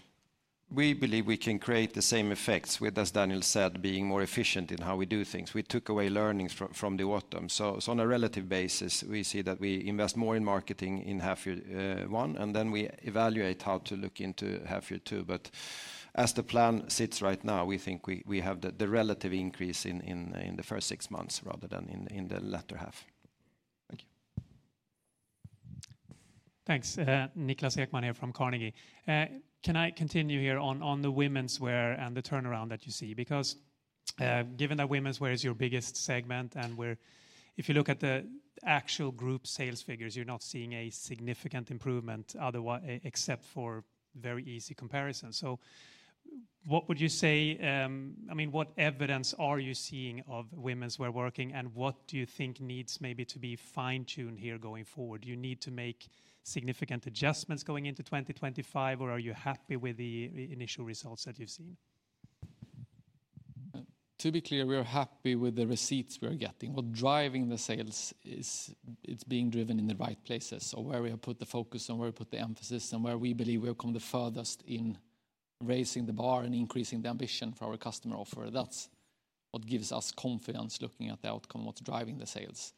We believe we can create the same effects with, as Daniel said, being more efficient in how we do things. We took away learnings from the autumn. So on a relative basis, we see that we invest more in marketing in half year one and then we evaluate how to look into half year two. But as the plan sits right now, we think we have the relative increase in the first six months rather than in the latter half. Thank you. Thanks. Niklas Ekman here from Carnegie. Can I continue here on the women's wear and the turnaround that you see? Because given that women's wear is your biggest segment and if you look at the actual group sales figures, you're not seeing a significant improvement except for very easy comparisons. So what would you say? I mean, what evidence are you seeing of women's wear working and what do you think needs maybe to be fine-tuned here going forward? Do you need to make significant adjustments going into 2025 or are you happy with the initial results that you've seen? To be clear, we are happy with the results we are getting. What's driving the sales is it's being driven in the right places, so where we have put the focus and where we put the emphasis and where we believe we have come the furthest in raising the bar and increasing the ambition for our customer offer. That's what gives us confidence looking at the outcome, what's driving the sales.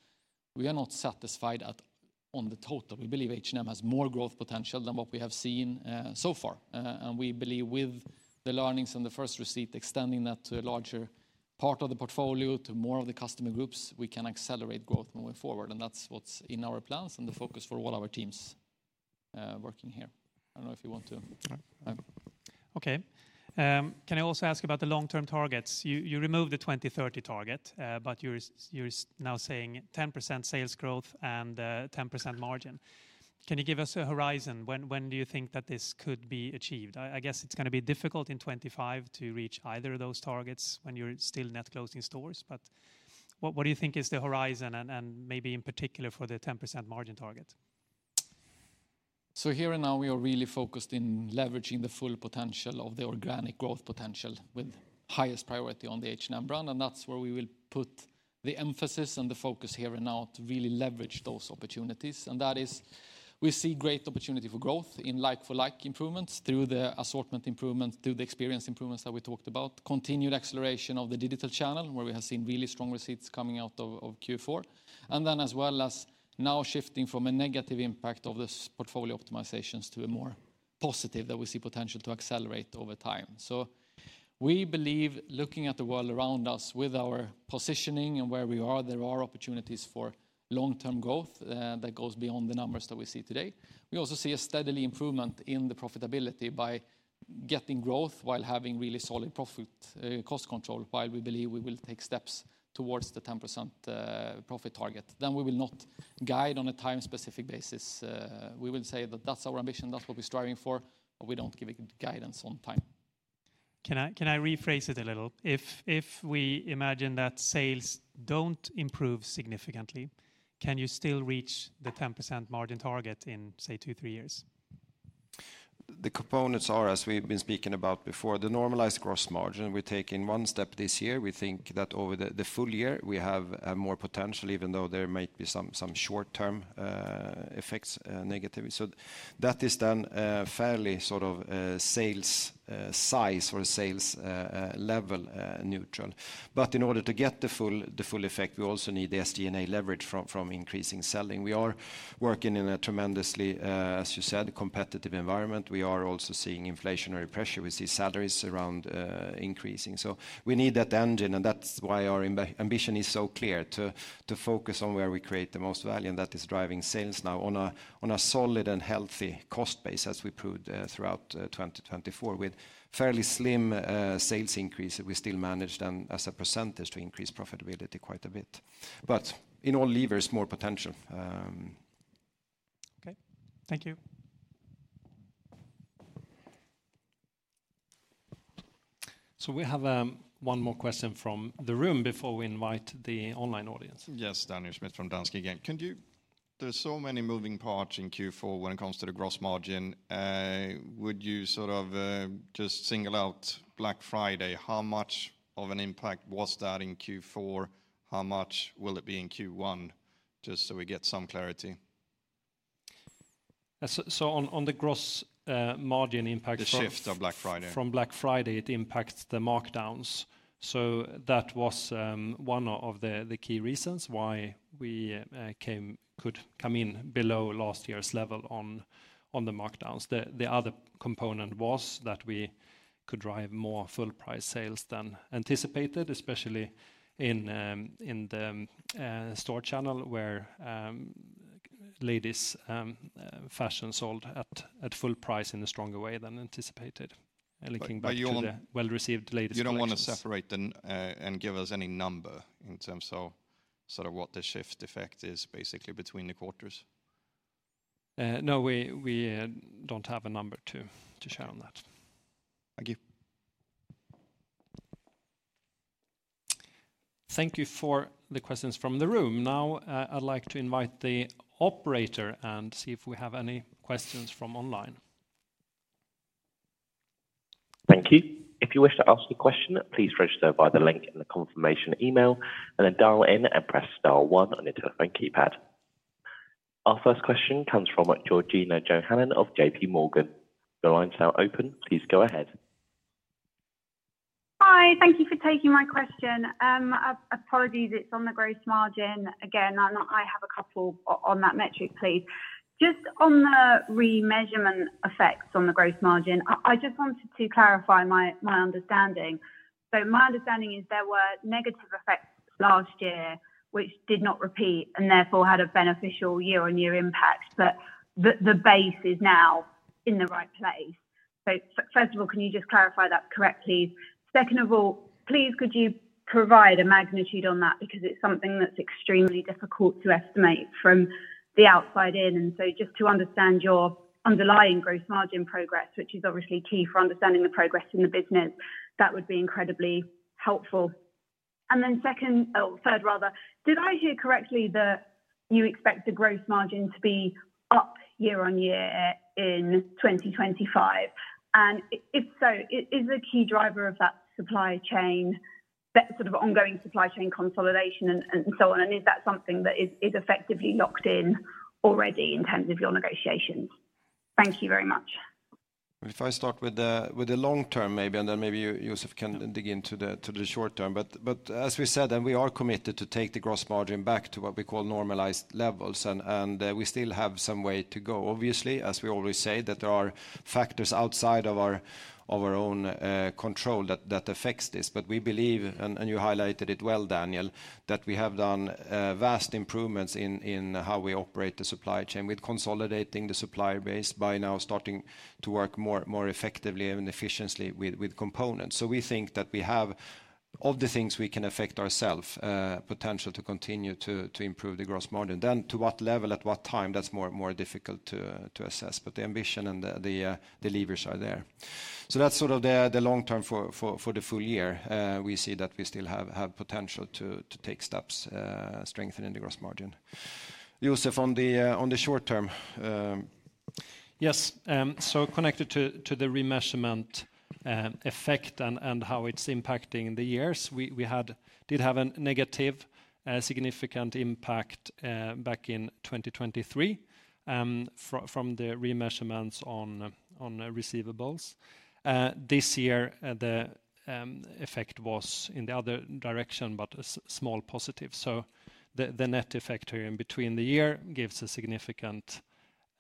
We are not satisfied on the total. We believe H&M has more growth potential than what we have seen so far, and we believe with the learnings and the first results, extending that to a larger part of the portfolio, to more of the customer groups, we can accelerate growth moving forward. That's what's in our plans and the focus for all our teams working here. I don't know if you want to. Okay. Can I also ask about the long-term targets? You removed the 2030 target, but you're now saying 10% sales growth and 10% margin. Can you give us a horizon? When do you think that this could be achieved? I guess it's going to be difficult in 2025 to reach either of those targets when you're still net closing stores. But what do you think is the horizon and maybe in particular for the 10% margin target? So here and now we are really focused in leveraging the full potential of the organic growth potential with highest priority on the H&M brand. And that's where we will put the emphasis and the focus here and now to really leverage those opportunities. And that is, we see great opportunity for growth in like-for-like improvements through the assortment improvement, through the experience improvements that we talked about, continued acceleration of the digital channel where we have seen really strong receipts coming out of Q4. And then as well as now shifting from a negative impact of the portfolio optimizations to a more positive that we see potential to accelerate over time. So we believe looking at the world around us with our positioning and where we are, there are opportunities for long-term growth that goes beyond the numbers that we see today. We also see a steadily improvement in the profitability by getting growth while having really solid profit cost control, while we believe we will take steps towards the 10% profit target. Then we will not guide on a time-specific basis. We will say that that's our ambition, that's what we're striving for, but we don't give it guidance on time. Can I rephrase it a little? If we imagine that sales don't improve significantly, can you still reach the 10% margin target in, say, two, three years? The components are, as we've been speaking about before, the normalized gross margin. We're taking one step this year. We think that over the full year we have more potential, even though there might be some short-term effects negatively. So that is then fairly sort of sales size or sales level neutral. But in order to get the full effect, we also need the SG&A leverage from increasing selling. We are working in a tremendously, as you said, competitive environment. We are also seeing inflationary pressure. We see salaries around increasing. So we need that engine. And that's why our ambition is so clear to focus on where we create the most value. And that is driving sales now on a solid and healthy cost base as we proved throughout 2024 with fairly slim sales increase. We still managed then as a percentage to increase profitability quite a bit. But in all levers, more potential. Okay. Thank you. So we have one more question from the room before we invite the online audience. Yes, Daniel Schmidt from Danske Bank. There's so many moving parts in Q4 when it comes to the gross margin. Would you sort of just single out Black Friday? How much of an impact was that in Q4? How much will it be in Q1? Just so we get some clarity. So on the gross margin impact from the shift of Black Friday. From Black Friday, it impacts the markdowns. So that was one of the key reasons why we could come in below last year's level on the markdowns. The other component was that we could drive more full-price sales than anticipated, especially in the store channel where ladies' fashion sold at full price in a stronger way than anticipated. Linking back to the well-received ladies' fashion. You don't want to separate and give us any number in terms of sort of what the shift effect is basically between the quarters? No, we don't have a number to share on that. Thank you. Thank you for the questions from the room. Now I'd like to invite the operator and see if we have any questions from online. Thank you. If you wish to ask a question, please register via the link in the confirmation email and then dial in and press dial one on your telephone keypad. Our first question comes from Georgina Johanan of J.P. Morgan. Your line's now open. Please go ahead. Hi. Thank you for taking my question. Apologies, it's on the gross margin. Again, I have a couple on that metric, please. Just on the remeasurement effects on the gross margin, I just wanted to clarify my understanding, so my understanding is there were negative effects last year, which did not repeat and therefore had a beneficial year-on-year impact. But the base is now in the right place, so first of all, can you just clarify that correctly, please? Second of all, please could you provide a magnitude on that because it's something that's extremely difficult to estimate from the outside in, and so just to understand your underlying gross margin progress, which is obviously key for understanding the progress in the business, that would be incredibly helpful. And then third, rather, did I hear correctly that you expect the gross margin to be up year-on-year in 2025? And if so, is the key driver of that supply chain, that sort of ongoing supply chain consolidation and so on, and is that something that is effectively locked in already in terms of your negotiations? Thank you very much. If I start with the long-term maybe, and then maybe Joseph can dig into the short-term. But as we said, and we are committed to take the gross margin back to what we call normalized levels. And we still have some way to go. Obviously, as we always say, that there are factors outside of our own control that affects this. But we believe, and you highlighted it well, Daniel, that we have done vast improvements in how we operate the supply chain with consolidating the supply base by now starting to work more effectively and efficiently with components. So we think that we have, of the things we can affect ourselves, potential to continue to improve the gross margin. Then, to what level, at what time, that's more difficult to assess. But the ambition and the levers are there. So that's sort of the long-term for the full year. We see that we still have potential to take steps strengthening the gross margin. Joseph, on the short-term. Yes. So connected to the remeasurement effect and how it's impacting the years, we did have a negative significant impact back in 2023 from the remeasurements on receivables. This year, the effect was in the other direction, but a small positive. The net effect here in between the year gives a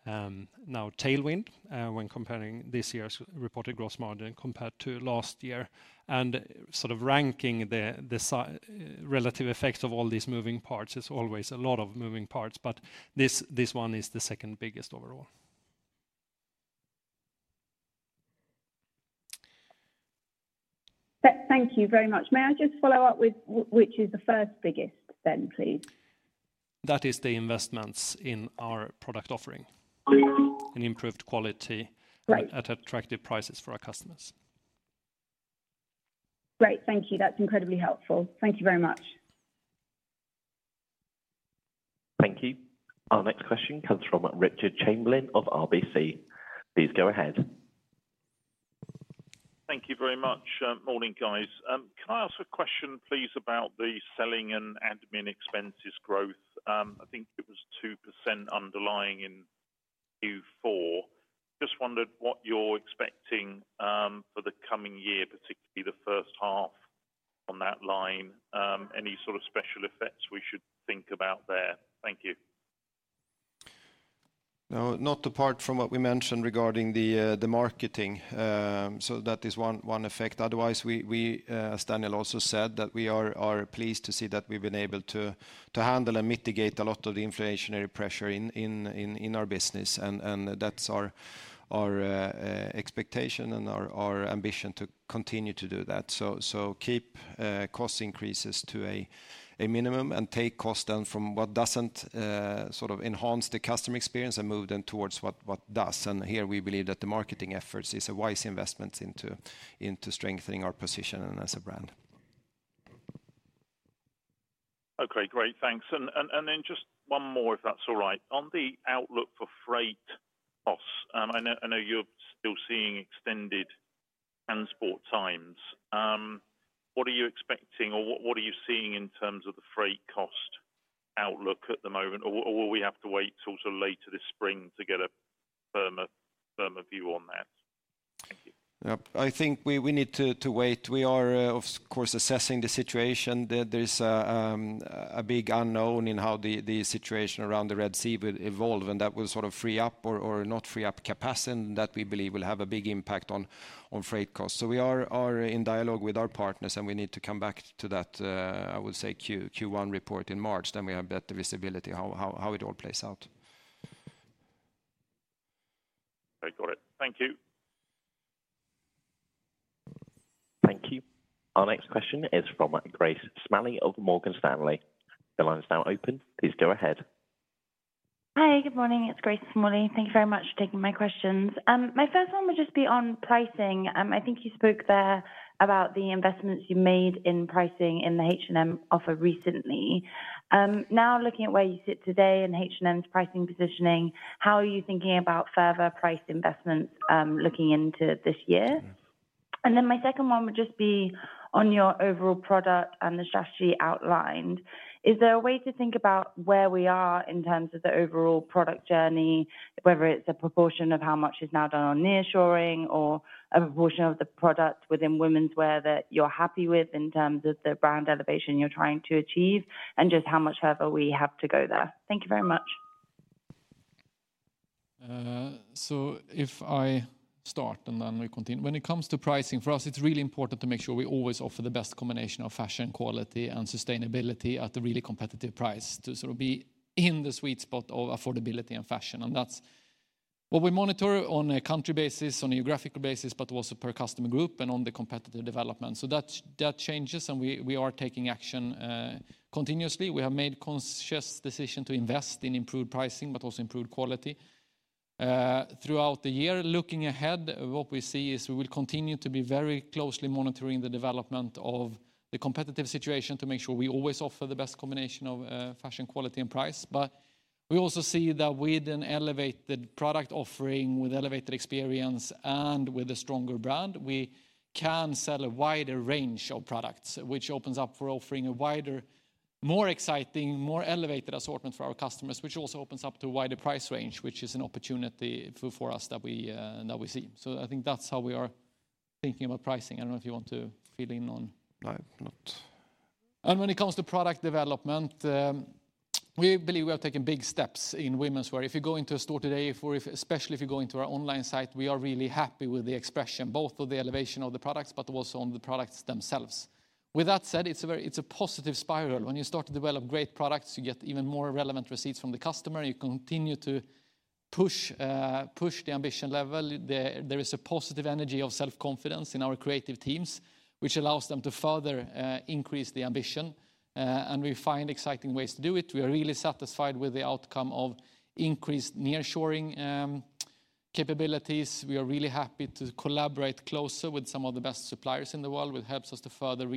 significant now tailwind when comparing this year's reported gross margin compared to last year, and sort of ranking the relative effects of all these moving parts is always a lot of moving parts, but this one is the second biggest overall. Thank you very much. May I just follow up with which is the first biggest then, please? That is the investments in our product offering and improved quality at attractive prices for our customers. Great. Thank you. That's incredibly helpful. Thank you very much. Thank you. Our next question comes from Richard Chamberlain of RBC. Please go ahead. Thank you very much. Morning, guys. Can I ask a question, please, about the selling and admin expenses growth? I think it was 2% underlying in Q4. Just wondered what you're expecting for the coming year, particularly the first half on that line. Any sort of special effects we should think about there? Thank you. Not apart from what we mentioned regarding the marketing. So that is one effect. Otherwise, as Daniel also said, that we are pleased to see that we've been able to handle and mitigate a lot of the inflationary pressure in our business. And that's our expectation and our ambition to continue to do that. So keep cost increases to a minimum and take cost then from what doesn't sort of enhance the customer experience and move them towards what does. And here we believe that the marketing efforts is a wise investment into strengthening our position and as a brand. Okay, great. Thanks. And then just one more, if that's all right. On the outlook for freight costs, I know you're still seeing extended transport times. What are you expecting or what are you seeing in terms of the freight cost outlook at the moment? Or will we have to wait until later this spring to get a firmer view on that? Thank you. I think we need to wait. We are, of course, assessing the situation. There's a big unknown in how the situation around the Red Sea will evolve and that will sort of free up or not free up capacity that we believe will have a big impact on freight costs. So we are in dialogue with our partners and we need to come back to that, I would say, Q1 report in March. Then we have better visibility on how it all plays out. Okay, got it. Thank you. Thank you. Our next question is from Grace Smalley of Morgan Stanley. The line's now open. Please go ahead. Hi, good morning. It's Grace Smalley. Thank you very much for taking my questions. My first one would just be on pricing. I think you spoke there about the investments you made in pricing in the H&M offer recently. Now looking at where you sit today in H&M's pricing positioning, how are you thinking about further price investments looking into this year? And then my second one would just be on your overall product and the strategy outlined. Is there a way to think about where we are in terms of the overall product journey, whether it's a proportion of how much is now done on nearshoring or a proportion of the product within women's wear that you're happy with in terms of the brand elevation you're trying to achieve and just how much further we have to go there? Thank you very much, so if I start and then we continue. When it comes to pricing, for us, it's really important to make sure we always offer the best combination of fashion quality and sustainability at a really competitive price to sort of be in the sweet spot of affordability and fashion. And that's what we monitor on a country basis, on a geographical basis, but also per customer group and on the competitive development, so that changes and we are taking action continuously. We have made a conscious decision to invest in improved pricing, but also improved quality throughout the year. Looking ahead, what we see is we will continue to be very closely monitoring the development of the competitive situation to make sure we always offer the best combination of fashion quality and price. But we also see that with an elevated product offering, with elevated experience and with a stronger brand, we can sell a wider range of products, which opens up for offering a wider, more exciting, more elevated assortment for our customers, which also opens up to a wider price range, which is an opportunity for us that we see. So I think that's how we are thinking about pricing. I don't know if you want to fill in on. And when it comes to product development, we believe we have taken big steps in women's wear. If you go into a store today, especially if you go into our online site, we are really happy with the expression, both of the elevation of the products, but also on the products themselves. With that said, it's a positive spiral. When you start to develop great products, you get even more relevant receipts from the customer. You continue to push the ambition level. There is a positive energy of self-confidence in our creative teams, which allows them to further increase the ambition, and we find exciting ways to do it. We are really satisfied with the outcome of increased nearshoring capabilities. We are really happy to collaborate closer with some of the best suppliers in the world, which helps us to further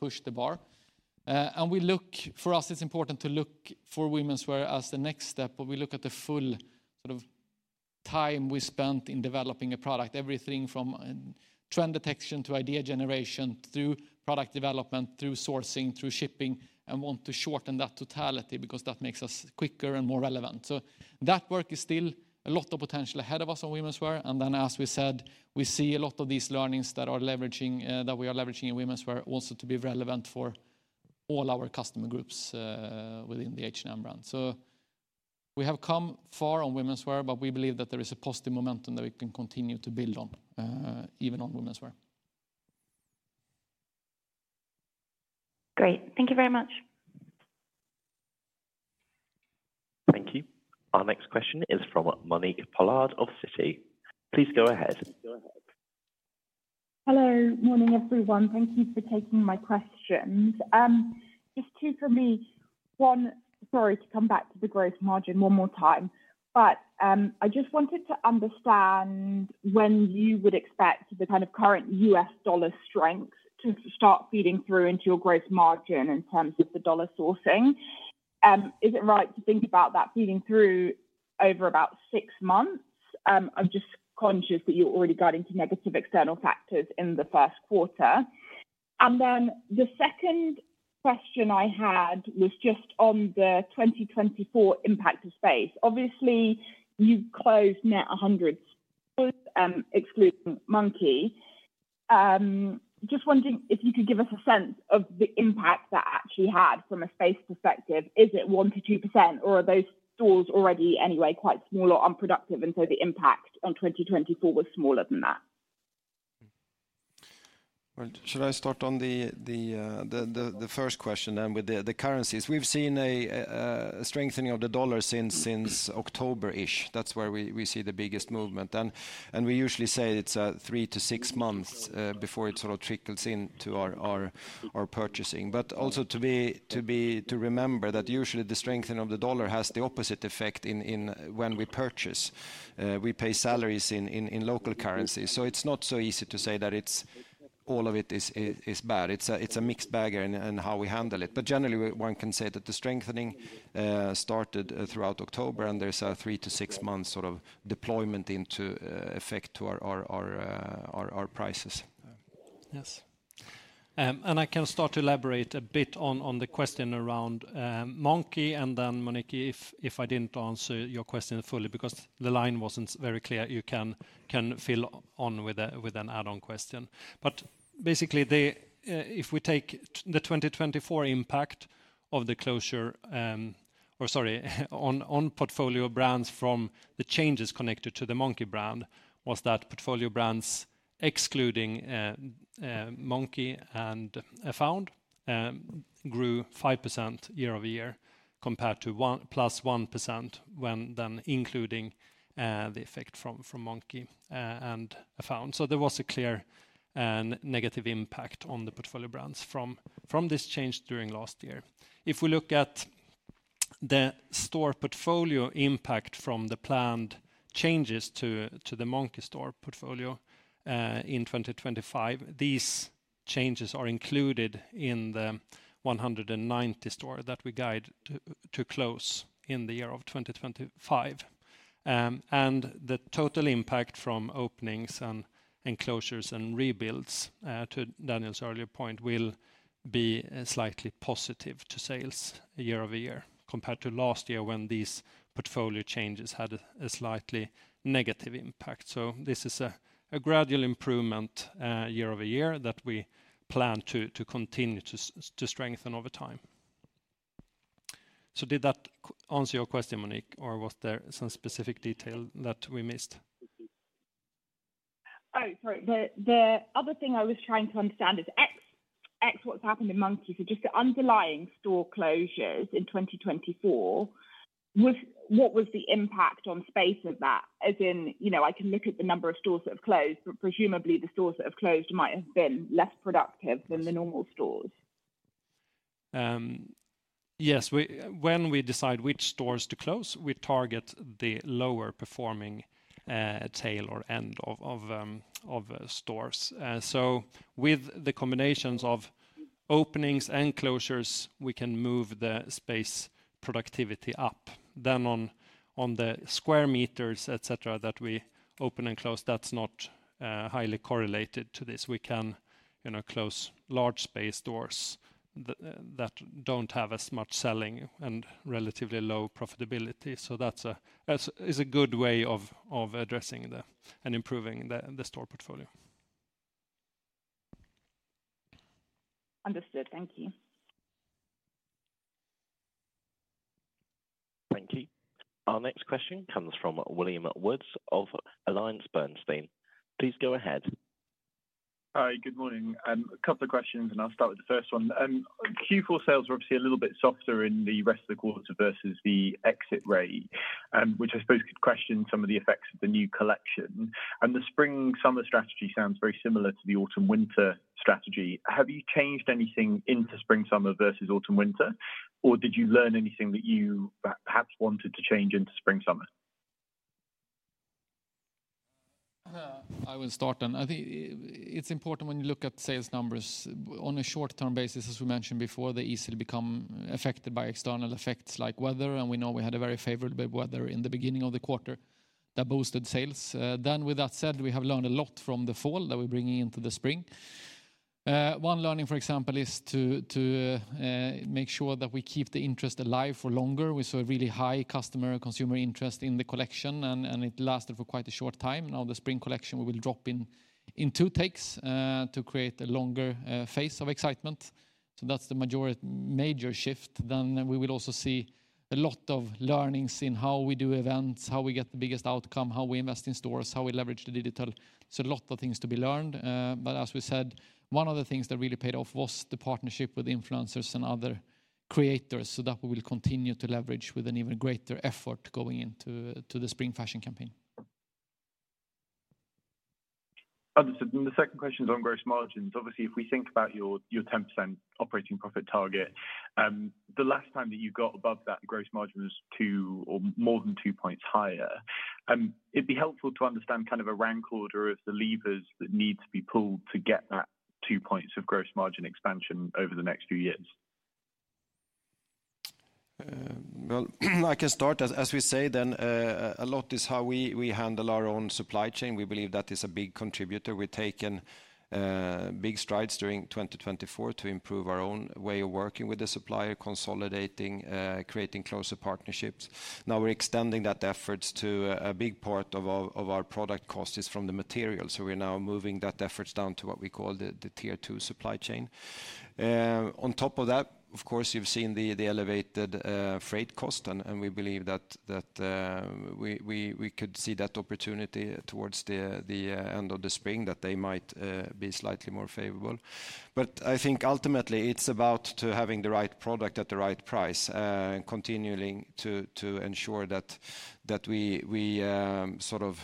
push the bar. And for us, it's important to look for women's wear as the next step, but we look at the full sort of time we spent in developing a product, everything from trend detection to idea generation through product development, through sourcing, through shipping, and want to shorten that totality because that makes us quicker and more relevant. So that work is still a lot of potential ahead of us on women's wear. And then, as we said, we see a lot of these learnings that we are leveraging in women's wear also to be relevant for all our customer groups within the H&M brand. So we have come far on women's wear, but we believe that there is a positive momentum that we can continue to build on, even on women's wear. Great. Thank you very much. Thank you. Our next question is from Monique Pollard of Citi. Please go ahead. Hello. Morning, everyone. Thank you for taking my questions. Just two for me. One, sorry to come back to the gross margin one more time, but I just wanted to understand when you would expect the kind of current US dollar strength to start feeding through into your gross margin in terms of the dollar sourcing. Is it right to think about that feeding through over about six months? I'm just conscious that you're already guiding to negative external factors in the first quarter. And then the second question I had was just on the 2024 impact of space. Obviously, you closed net 100 stores, excluding Monki. Just wondering if you could give us a sense of the impact that actually had from a space perspective. Is it 1%-2%, or are those stores already anyway quite small or unproductive, and so the impact on 2024 was smaller than that? Should I start on the first question then with the currencies? We've seen a strengthening of the dollar since October-ish. That's where we see the biggest movement. And we usually say it's three to six months before it sort of trickles into our purchasing. But also to remember that usually the strengthening of the dollar has the opposite effect when we purchase. We pay salaries in local currency. So it's not so easy to say that all of it is bad. It's a mixed bag and how we handle it. But generally, one can say that the strengthening started throughout October, and there's a three to six months sort of lag into effect to our prices. Yes. I can start to elaborate a bit on the question around Monki. Then, Monique, if I didn't answer your question fully, because the line wasn't very clear, you can fill on with an add-on question. But basically, if we take the 2024 impact of the closure, or sorry, on portfolio brands from the changes connected to the Monki brand, was that portfolio brands, excluding Monki and Afound, grew 5% year over year compared to plus 1% when then including the effect from Monki and Afound. So there was a clear negative impact on the portfolio brands from this change during last year. If we look at the store portfolio impact from the planned changes to the Monki store portfolio in 2025, these changes are included in the 190 stores that we guide to close in the year of 2025. The total impact from openings and enclosures and rebuilds, to Daniel's earlier point, will be slightly positive to sales year over year compared to last year when these portfolio changes had a slightly negative impact. This is a gradual improvement year over year that we plan to continue to strengthen over time. Did that answer your question, Monique? Or was there some specific detail that we missed? Sorry, the other thing I was trying to understand is, what's happened in Monki. Just the underlying store closures in 2024, what was the impact on space of that? As in, I can look at the number of stores that have closed, but presumably the stores that have closed might have been less productive than the normal stores. Yes, when we decide which stores to close, we target the lower performing tail or end of stores. So with the combinations of openings and closures, we can move the space productivity up. Then on the square meters, etc., that we open and close, that's not highly correlated to this. We can close large stores that don't have as much selling and relatively low profitability. So that's a good way of addressing and improving the store portfolio. Understood. Thank you. Thank you. Our next question comes from William Woods of AllianceBernstein. Please go ahead. Hi, good morning. A couple of questions, and I'll start with the first one. Q4 sales were obviously a little bit softer in the rest of the quarter versus the exit rate, which I suppose could question some of the effects of the new collection. And the spring-summer strategy sounds very similar to the autumn-winter strategy. Have you changed anything into spring-summer versus autumn-winter? Or did you learn anything that you perhaps wanted to change into spring-summer? I will start then. I think it's important when you look at sales numbers on a short-term basis, as we mentioned before, they easily become affected by external effects like weather, and we know we had a very favorable weather in the beginning of the quarter that boosted sales. Then, with that said, we have learned a lot from the fall that we're bringing into the spring. One learning, for example, is to make sure that we keep the interest alive for longer. We saw a really high customer and consumer interest in the collection, and it lasted for quite a short time. Now, the spring collection, we will drop in two takes to create a longer phase of excitement. So that's the major shift. Then we will also see a lot of learnings in how we do events, how we get the biggest outcome, how we invest in stores, how we leverage the digital. So a lot of things to be learned. But as we said, one of the things that really paid off was the partnership with influencers and other creators so that we will continue to leverage with an even greater effort going into the spring fashion campaign. Understood. And the second question is on gross margins. Obviously, if we think about your 10% operating profit target, the last time that you got above that gross margin was two or more than two points higher. It'd be helpful to understand kind of a rank order of the levers that need to be pulled to get that two points of gross margin expansion over the next few years. Well, I can start. As we say, then a lot is how we handle our own supply chain. We believe that is a big contributor. We've taken big strides during 2024 to improve our own way of working with the supplier, consolidating, creating closer partnerships. Now we're extending that effort to a big part of our product cost is from the material. So we're now moving that effort down to what we call the Tier 2 supply chain. On top of that, of course, you've seen the elevated freight cost, and we believe that we could see that opportunity towards the end of the spring that they might be slightly more favorable. But I think ultimately it's about having the right product at the right price and continuing to ensure that we sort of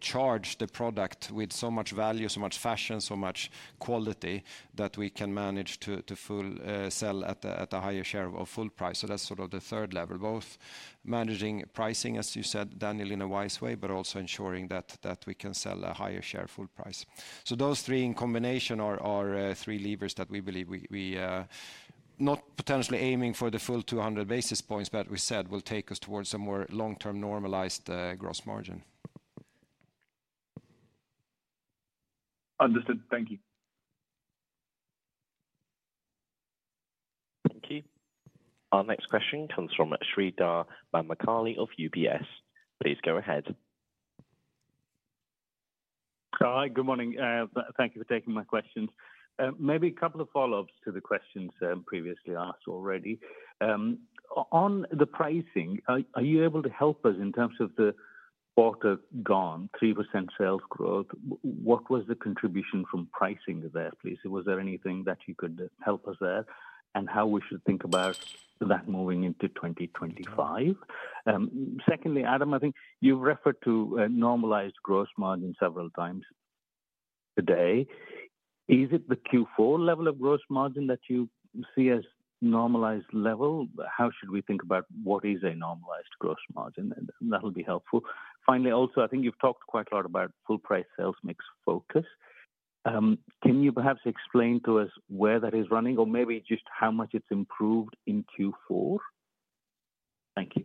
charge the product with so much value, so much fashion, so much quality that we can manage to full sell at a higher share of full price. So that's sort of the third level, both managing pricing, as you said, Daniel, in a wise way, but also ensuring that we can sell a higher share full price. So those three in combination are three levers that we believe we are not potentially aiming for the full 200 basis points, but we said will take us towards a more long-term normalized gross margin. Understood. Thank you. Thank you. Our next question comes from Sridhar Bhamidipati of UBS. Please go ahead. Hi, good morning. Thank you for taking my questions. Maybe a couple of follow-ups to the questions previously asked already. On the pricing, are you able to help us in terms of the quarter gone, 3% sales growth? What was the contribution from pricing there, please? Was there anything that you could help us there and how we should think about that moving into 2025? Secondly, Adam, I think you've referred to normalized gross margin several times today. Is it the Q4 level of gross margin that you see as normalized level? How should we think about what is a normalized gross margin? That'll be helpful. Finally, also, I think you've talked quite a lot about full price sales mix focus. Can you perhaps explain to us where that is running or maybe just how much it's improved in Q4? Thank you.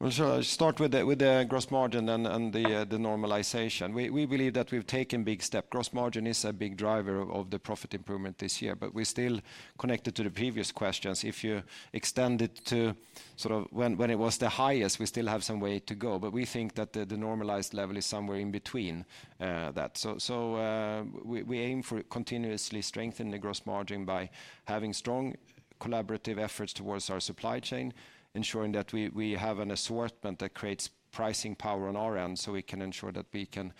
Well, so I'll start with the gross margin and the normalization. We believe that we've taken big steps. Gross Margin is a big driver of the profit improvement this year, but we're still connected to the previous questions. If you extend it to sort of when it was the highest, we still have some way to go. But we think that the normalized level is somewhere in between that. So we aim for continuously strengthening the Gross Margin by having strong collaborative efforts towards our supply chain, ensuring that we have an assortment that creates pricing power on our end so we can ensure that we can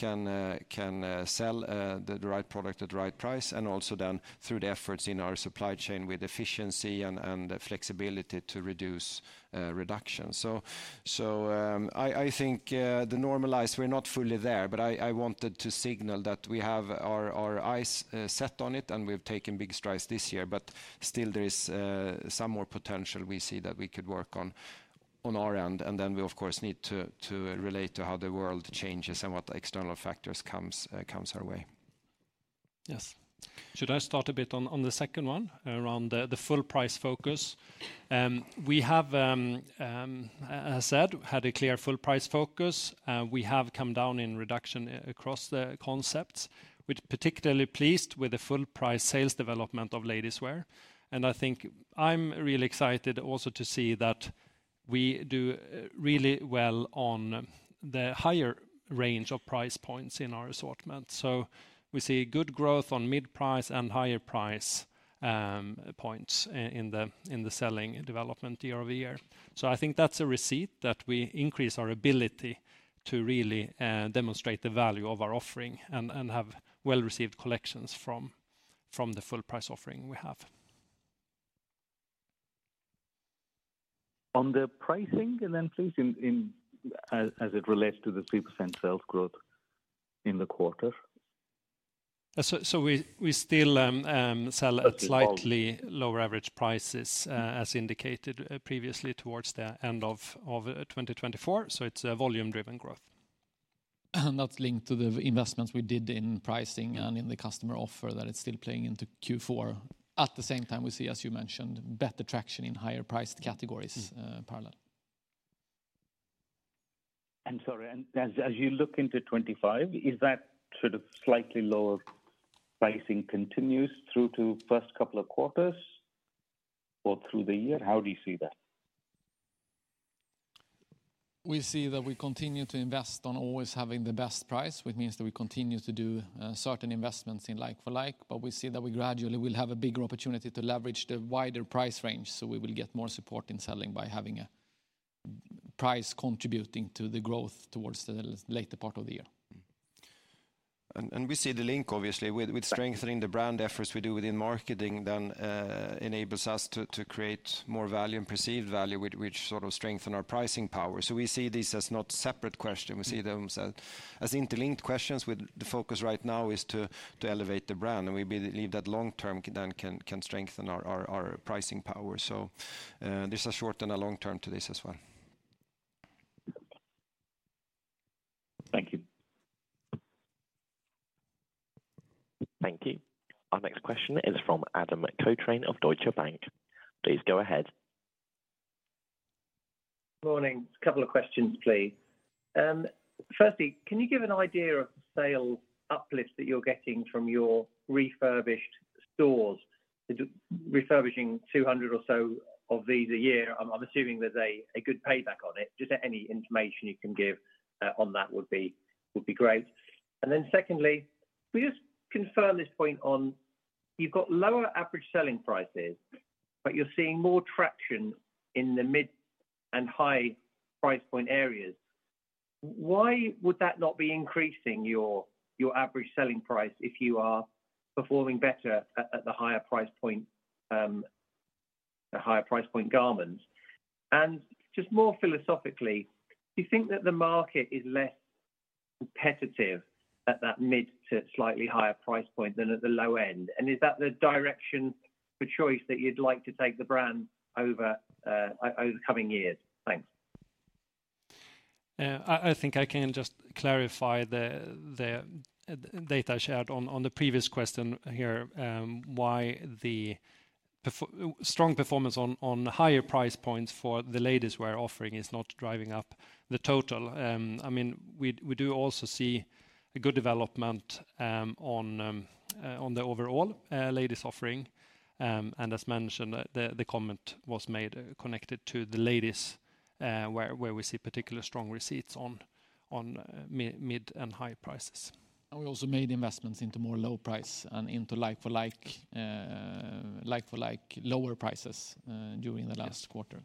sell the right product at the right price. And also then through the efforts in our supply chain with efficiency and flexibility to reduce reduction. So, I think the normalized, we're not fully there, but I wanted to signal that we have our eyes set on it and we've taken big strides this year, but still there is some more potential we see that we could work on our end. And then we, of course, need to relate to how the world changes and what external factors come our way. Yes. Should I start a bit on the second one around the full price focus? We have, as I said, had a clear full price focus. We have come down in reduction across the concepts. We're particularly pleased with the full price sales development of ladies' wear. And I think I'm really excited also to see that we do really well on the higher range of price points in our assortment. We see good growth on mid-price and higher price points in the sales development year over year. So I think that's a receipt that we increase our ability to really demonstrate the value of our offering and have well-received collections from the full price offering we have. On the pricing, and then please, as it relates to the 3% sales growth in the quarter. So we still sell at slightly lower average prices, as indicated previously towards the end of 2024. So it's a volume-driven growth. And that's linked to the investments we did in pricing and in the customer offer that it's still playing into Q4. At the same time, we see, as you mentioned, better traction in higher priced categories in parallel. And sorry, as you look into 2025, is that sort of slightly lower pricing continues through to the first couple of quarters or through the year? How do you see that? We see that we continue to invest on always having the best price, which means that we continue to do certain investments in like for like. But we see that we gradually will have a bigger opportunity to leverage the wider price range. So we will get more support in selling by having a price contributing to the growth towards the later part of the year. And we see the link, obviously, with strengthening the brand efforts we do within marketing then enables us to create more value and perceived value, which sort of strengthen our pricing power. So we see these as not separate questions. We see them as interlinked questions with the focus right now is to elevate the brand. And we believe that long-term then can strengthen our pricing power. So there's a short and a long-term to this as well. Thank you. Thank you. Our next question is from Adam Cochrane of Deutsche Bank. Please go ahead. Morning. A couple of questions, please. Firstly, can you give an idea of the sales uplift that you're getting from your refurbished stores? Refurbishing 200 or so of these a year, I'm assuming there's a good payback on it. Just any information you can give on that would be great. And then secondly, we just confirm this point on you've got lower average selling prices, but you're seeing more traction in the mid and high price point areas. Why would that not be increasing your average selling price if you are performing better at the higher price point, the higher price point garments? And just more philosophically, do you think that the market is less competitive at that mid to slightly higher price point than at the low end? Is that the direction for choice that you'd like to take the brand over the coming years? Thanks. I think I can just clarify the data shared on the previous question here, why the strong performance on higher price points for the ladies' wear offering is not driving up the total. I mean, we do also see a good development on the overall ladies' offering. And as mentioned, the comment was made connected to the ladies' wear where we see particular strong receipts on mid and high prices. And we also made investments into more low price and into like for like, like for like lower prices during the last quarter.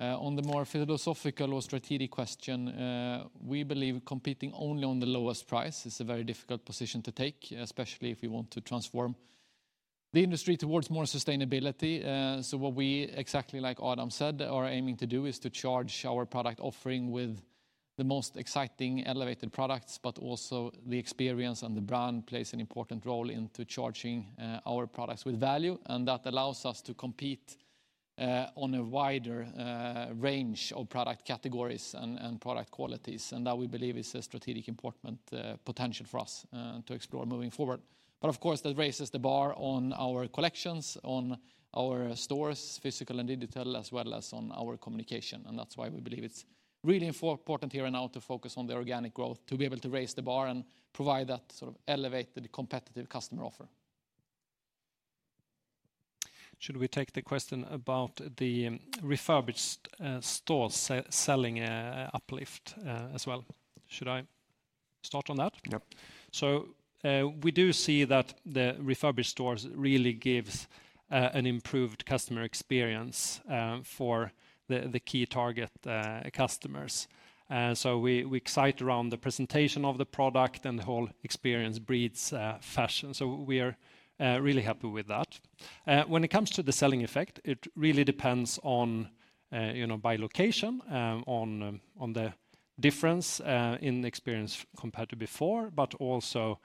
On the more philosophical or strategic question, we believe competing only on the lowest price is a very difficult position to take, especially if we want to transform the industry towards more sustainability. So, what we, exactly like Adam said, are aiming to do is to charge our product offering with the most exciting elevated products, but also the experience and the brand plays an important role into charging our products with value. And that allows us to compete on a wider range of product categories and product qualities. And that we believe is a strategic important potential for us to explore moving forward. But of course, that raises the bar on our collections, on our stores, physical and digital, as well as on our communication. And that's why we believe it's really important here and now to focus on the organic growth to be able to raise the bar and provide that sort of elevated competitive customer offer. Should we take the question about the refurbished stores selling uplift as well? Should I start on that? Yep. We do see that the refurbished stores really give an improved customer experience for the key target customers. We excite around the presentation of the product and the whole experience breathes fashion. We are really happy with that. When it comes to the selling effect, it really depends on, by location, on the difference in experience compared to before, but also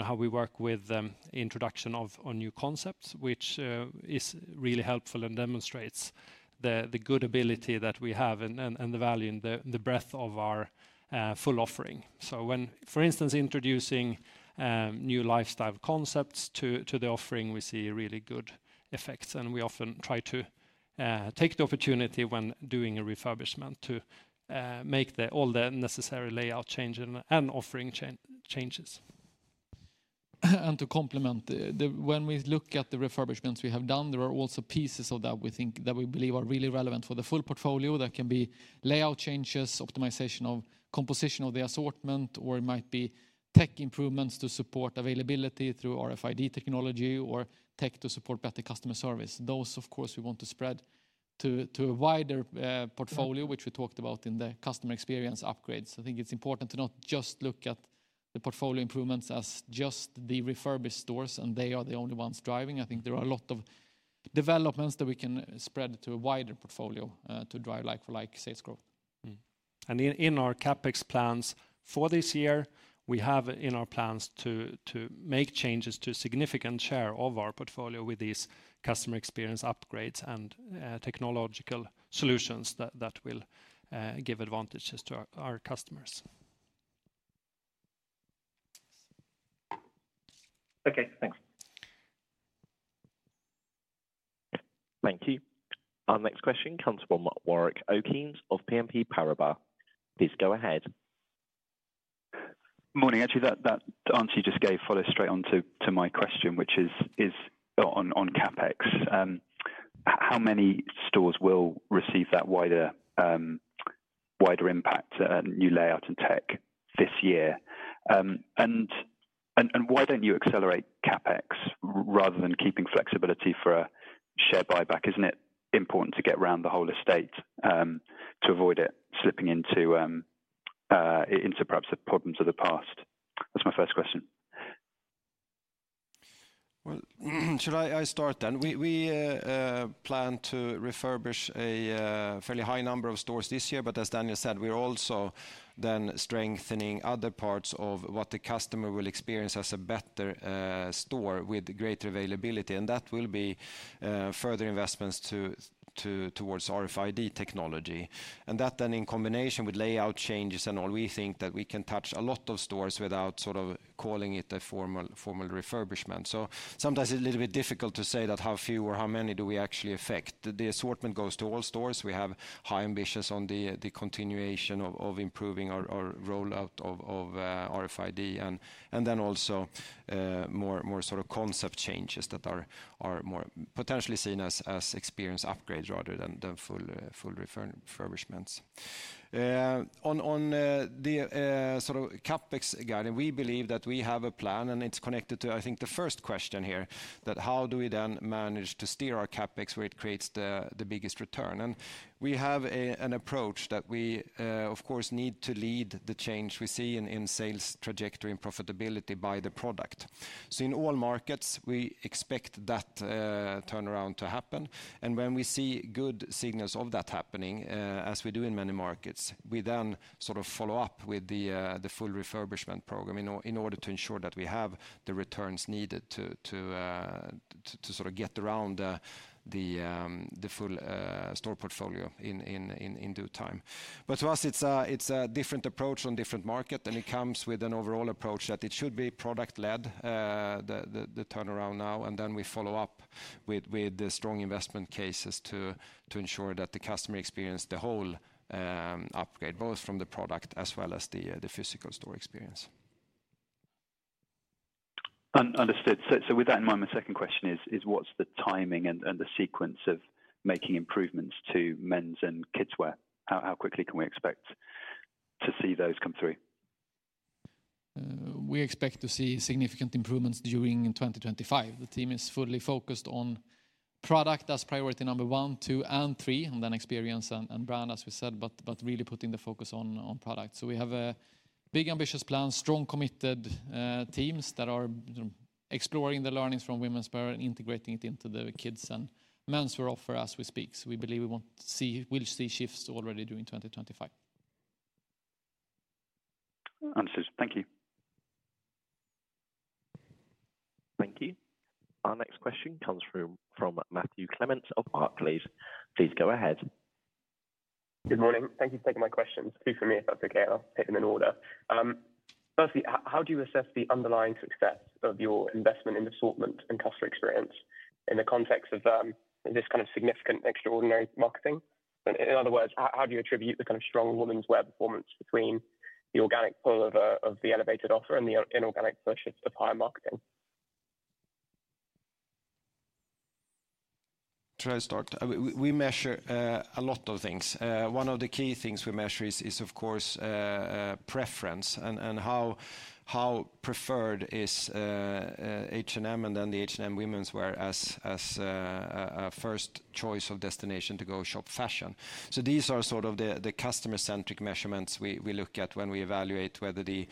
how we work with the introduction of new concepts, which is really helpful and demonstrates the good ability that we have and the value and the breadth of our full offering. When, for instance, introducing new lifestyle concepts to the offering, we see really good effects. We often try to take the opportunity when doing a refurbishment to make all the necessary layout changes and offering changes. To complement, when we look at the refurbishments we have done, there are also pieces of that we think that we believe are really relevant for the full portfolio that can be layout changes, optimization of composition of the assortment, or it might be tech improvements to support availability through RFID technology or tech to support better customer service. Those, of course, we want to spread to a wider portfolio, which we talked about in the customer experience upgrades. I think it's important to not just look at the portfolio improvements as just the refurbished stores and they are the only ones driving. I think there are a lot of developments that we can spread to a wider portfolio to drive like-for-like sales growth. In our CapEx plans for this year, we have in our plans to make changes to a significant share of our portfolio with these customer experience upgrades and technological solutions that will give advantages to our customers. Okay, thanks. Thank you. Our next question comes from Warwick Okines of BNP Paribas. Please go ahead. Morning. Actually, that answer you just gave follows straight on to my question, which is on CapEx. How many stores will receive that wider impact, new layout and tech this year? And why don't you accelerate CapEx rather than keeping flexibility for a share buyback? Isn't it important to get around the whole estate to avoid it slipping into perhaps the problems of the past? That's my first question. Should I start then? We plan to refurbish a fairly high number of stores this year, but as Daniel said, we're also then strengthening other parts of what the customer will experience as a better store with greater availability, and that will be further investments towards RFID technology, and that then in combination with layout changes and all, we think that we can touch a lot of stores without sort of calling it a formal refurbishment, so sometimes it's a little bit difficult to say that how few or how many do we actually affect. The assortment goes to all stores. We have high ambitions on the continuation of improving our rollout of RFID and then also more sort of concept changes that are more potentially seen as experience upgrades rather than full refurbishments. On the sort of CapEx guide, we believe that we have a plan and it's connected to, I think, the first question here, that how do we then manage to steer our CapEx where it creates the biggest return? And we have an approach that we, of course, need to lead the change we see in sales trajectory and profitability by the product. So in all markets, we expect that turnaround to happen. And when we see good signals of that happening, as we do in many markets, we then sort of follow up with the full refurbishment program in order to ensure that we have the returns needed to sort of get around the full store portfolio in due time. But to us, it's a different approach on different markets and it comes with an overall approach that it should be product-led, the turnaround now, and then we follow up with strong investment cases to ensure that the customer experience the whole upgrade, both from the product as well as the physical store experience. Understood. So with that in mind, my second question is, what's the timing and the sequence of making improvements to men's and kids' wear? How quickly can we expect to see those come through? We expect to see significant improvements during 2025. The team is fully focused on product as priority number one, two, and three, and then experience and brand, as we said, but really putting the focus on product. So we have a big ambitious plan, strong committed teams that are exploring the learnings from women's wear and integrating it into the kids' and men's wear offer as we speak. So we believe we will see shifts already during 2025. Anders. Thank you. Thank you. Our next question comes from Matthew Clements of Barclays. Please go ahead. Good morning. Thank you for taking my questions. Two for me, if that's okay. I'll hit them in order. Firstly, how do you assess the underlying success of your investment in assortment and customer experience in the context of this kind of significant extraordinary marketing? In other words, how do you attribute the kind of strong women's wear performance between the organic pull of the elevated offer and the inorganic push of higher marketing? To start, we measure a lot of things. One of the key things we measure is, of course, preference and how preferred is H&M and then the H&M women's wear as a first choice of destination to go shop fashion. So these are sort of the customer-centric measurements we look at when we evaluate whether the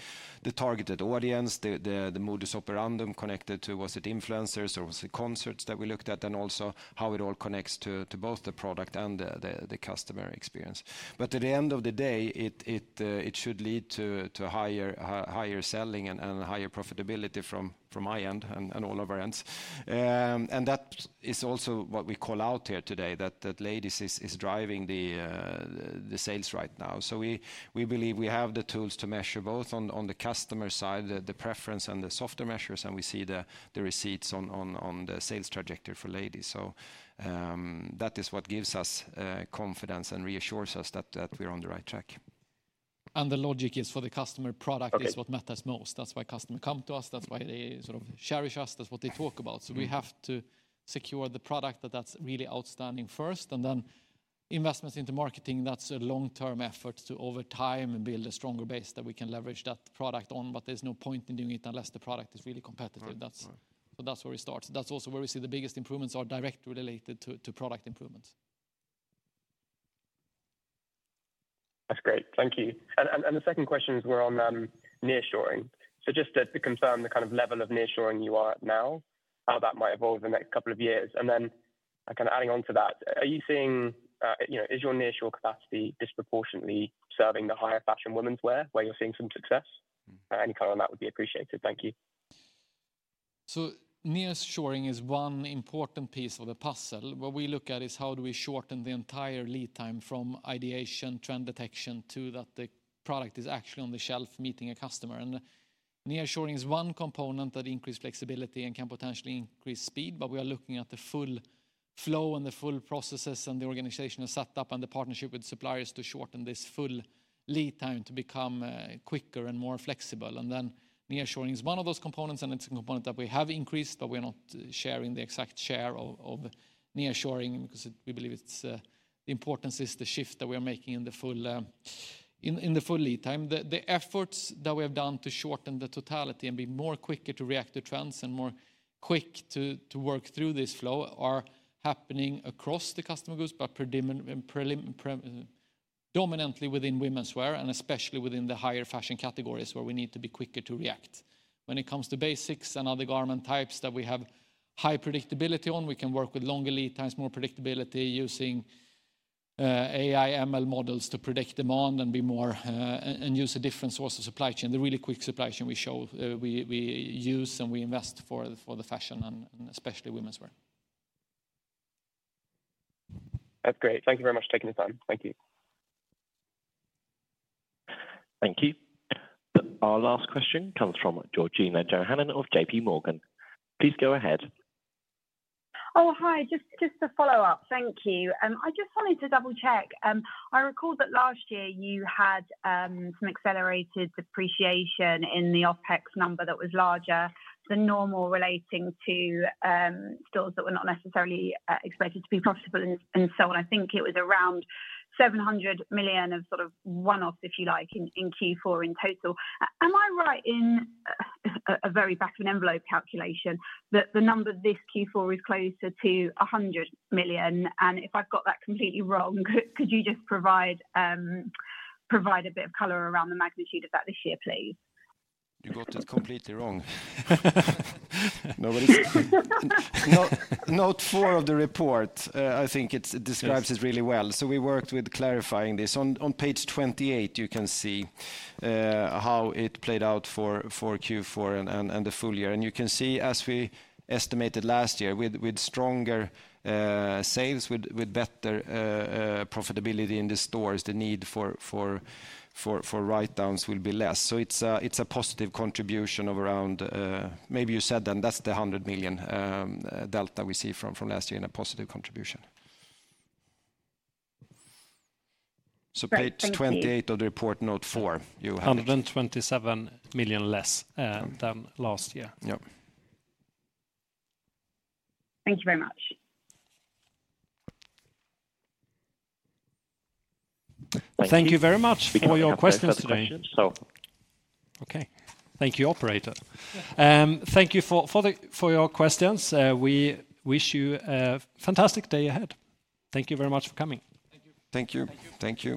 targeted audience, the modus operandi connected to, was it influencers or was it concerts that we looked at, and also how it all connects to both the product and the customer experience. But at the end of the day, it should lead to higher selling and higher profitability from my end and all of our ends, and that is also what we call out here today, that ladieswear is driving the sales right now. So we believe we have the tools to measure both on the customer side, the preference and the softer measures, and we see the receipts on the sales trajectory for ladies. So that is what gives us confidence and reassures us that we're on the right track. And the logic is for the customer product is what matters most. That's why customers come to us. That's why they sort of cherish us. That's what they talk about. So we have to secure the product, that's really outstanding first and then investments into marketing. That's a long-term effort to over time build a stronger base that we can leverage that product on, but there's no point in doing it unless the product is really competitive. So that's where we start. That's also where we see the biggest improvements are directly related to product improvements. That's great. Thank you. The second question is, we're on nearshoring. So just to confirm the kind of level of nearshoring you are at now, how that might evolve in the next couple of years. And then kind of adding on to that, are you seeing, is your nearshore capacity disproportionately serving the higher fashion women's wear where you're seeing some success? Any comment on that would be appreciated. Thank you. Nearshoring is one important piece of the puzzle. What we look at is how do we shorten the entire lead time from ideation, trend detection, to that the product is actually on the shelf meeting a customer. Nearshoring is one component that increases flexibility and can potentially increase speed, but we are looking at the full flow and the full processes and the organizational setup and the partnership with suppliers to shorten this full lead time to become quicker and more flexible. Nearshoring is one of those components, and it's a component that we have increased, but we are not sharing the exact share of nearshoring because we believe the importance is the shift that we are making in the full lead time. The efforts that we have done to shorten the totality and be more quicker to react to trends and more quick to work through this flow are happening across the customer groups, but predominantly within women's wear and especially within the higher fashion categories where we need to be quicker to react. When it comes to basics and other garment types that we have high predictability on, we can work with longer lead times, more predictability using AI/ML models to predict demand and be more and use a different source of supply chain. The really quick supply chain we show we use and we invest for the fashion and especially women's wear. That's great. Thank you very much for taking the time. Thank you. Thank you. Our last question comes from Georgina Johanan of JP Morgan. Please go ahead. Oh, hi. Just to follow up, thank you. I just wanted to double-check. I recall that last year you had some accelerated depreciation in the OpEx number that was larger than normal relating to stores that were not necessarily expected to be profitable and so on. I think it was around 700 million of sort of one-offs, if you like, in Q4 in total. Am I right in a very back-of-envelope calculation that the number this Q4 is closer to 100 million? And if I've got that completely wrong, could you just provide a bit of color around the magnitude of that this year, please? You got it completely wrong. Note four of the report, I think it describes it really well. So we worked with clarifying this. On page 28, you can see how it played out for Q4 and the full year. And you can see as we estimated last year with stronger sales, with better profitability in the stores, the need for write-downs will be less. So it's a positive contribution of around, maybe you said then, that's the 100 million delta we see from last year in a positive contribution. So, page 28 of the report, note four. 127 million less than last year. Yeah. Thank you very much. Thank you very much for your questions today. Okay. Thank you, operator. Thank you for your questions. We wish you a fantastic day ahead. Thank you very much for coming. Thank you. Thank you. Thank you.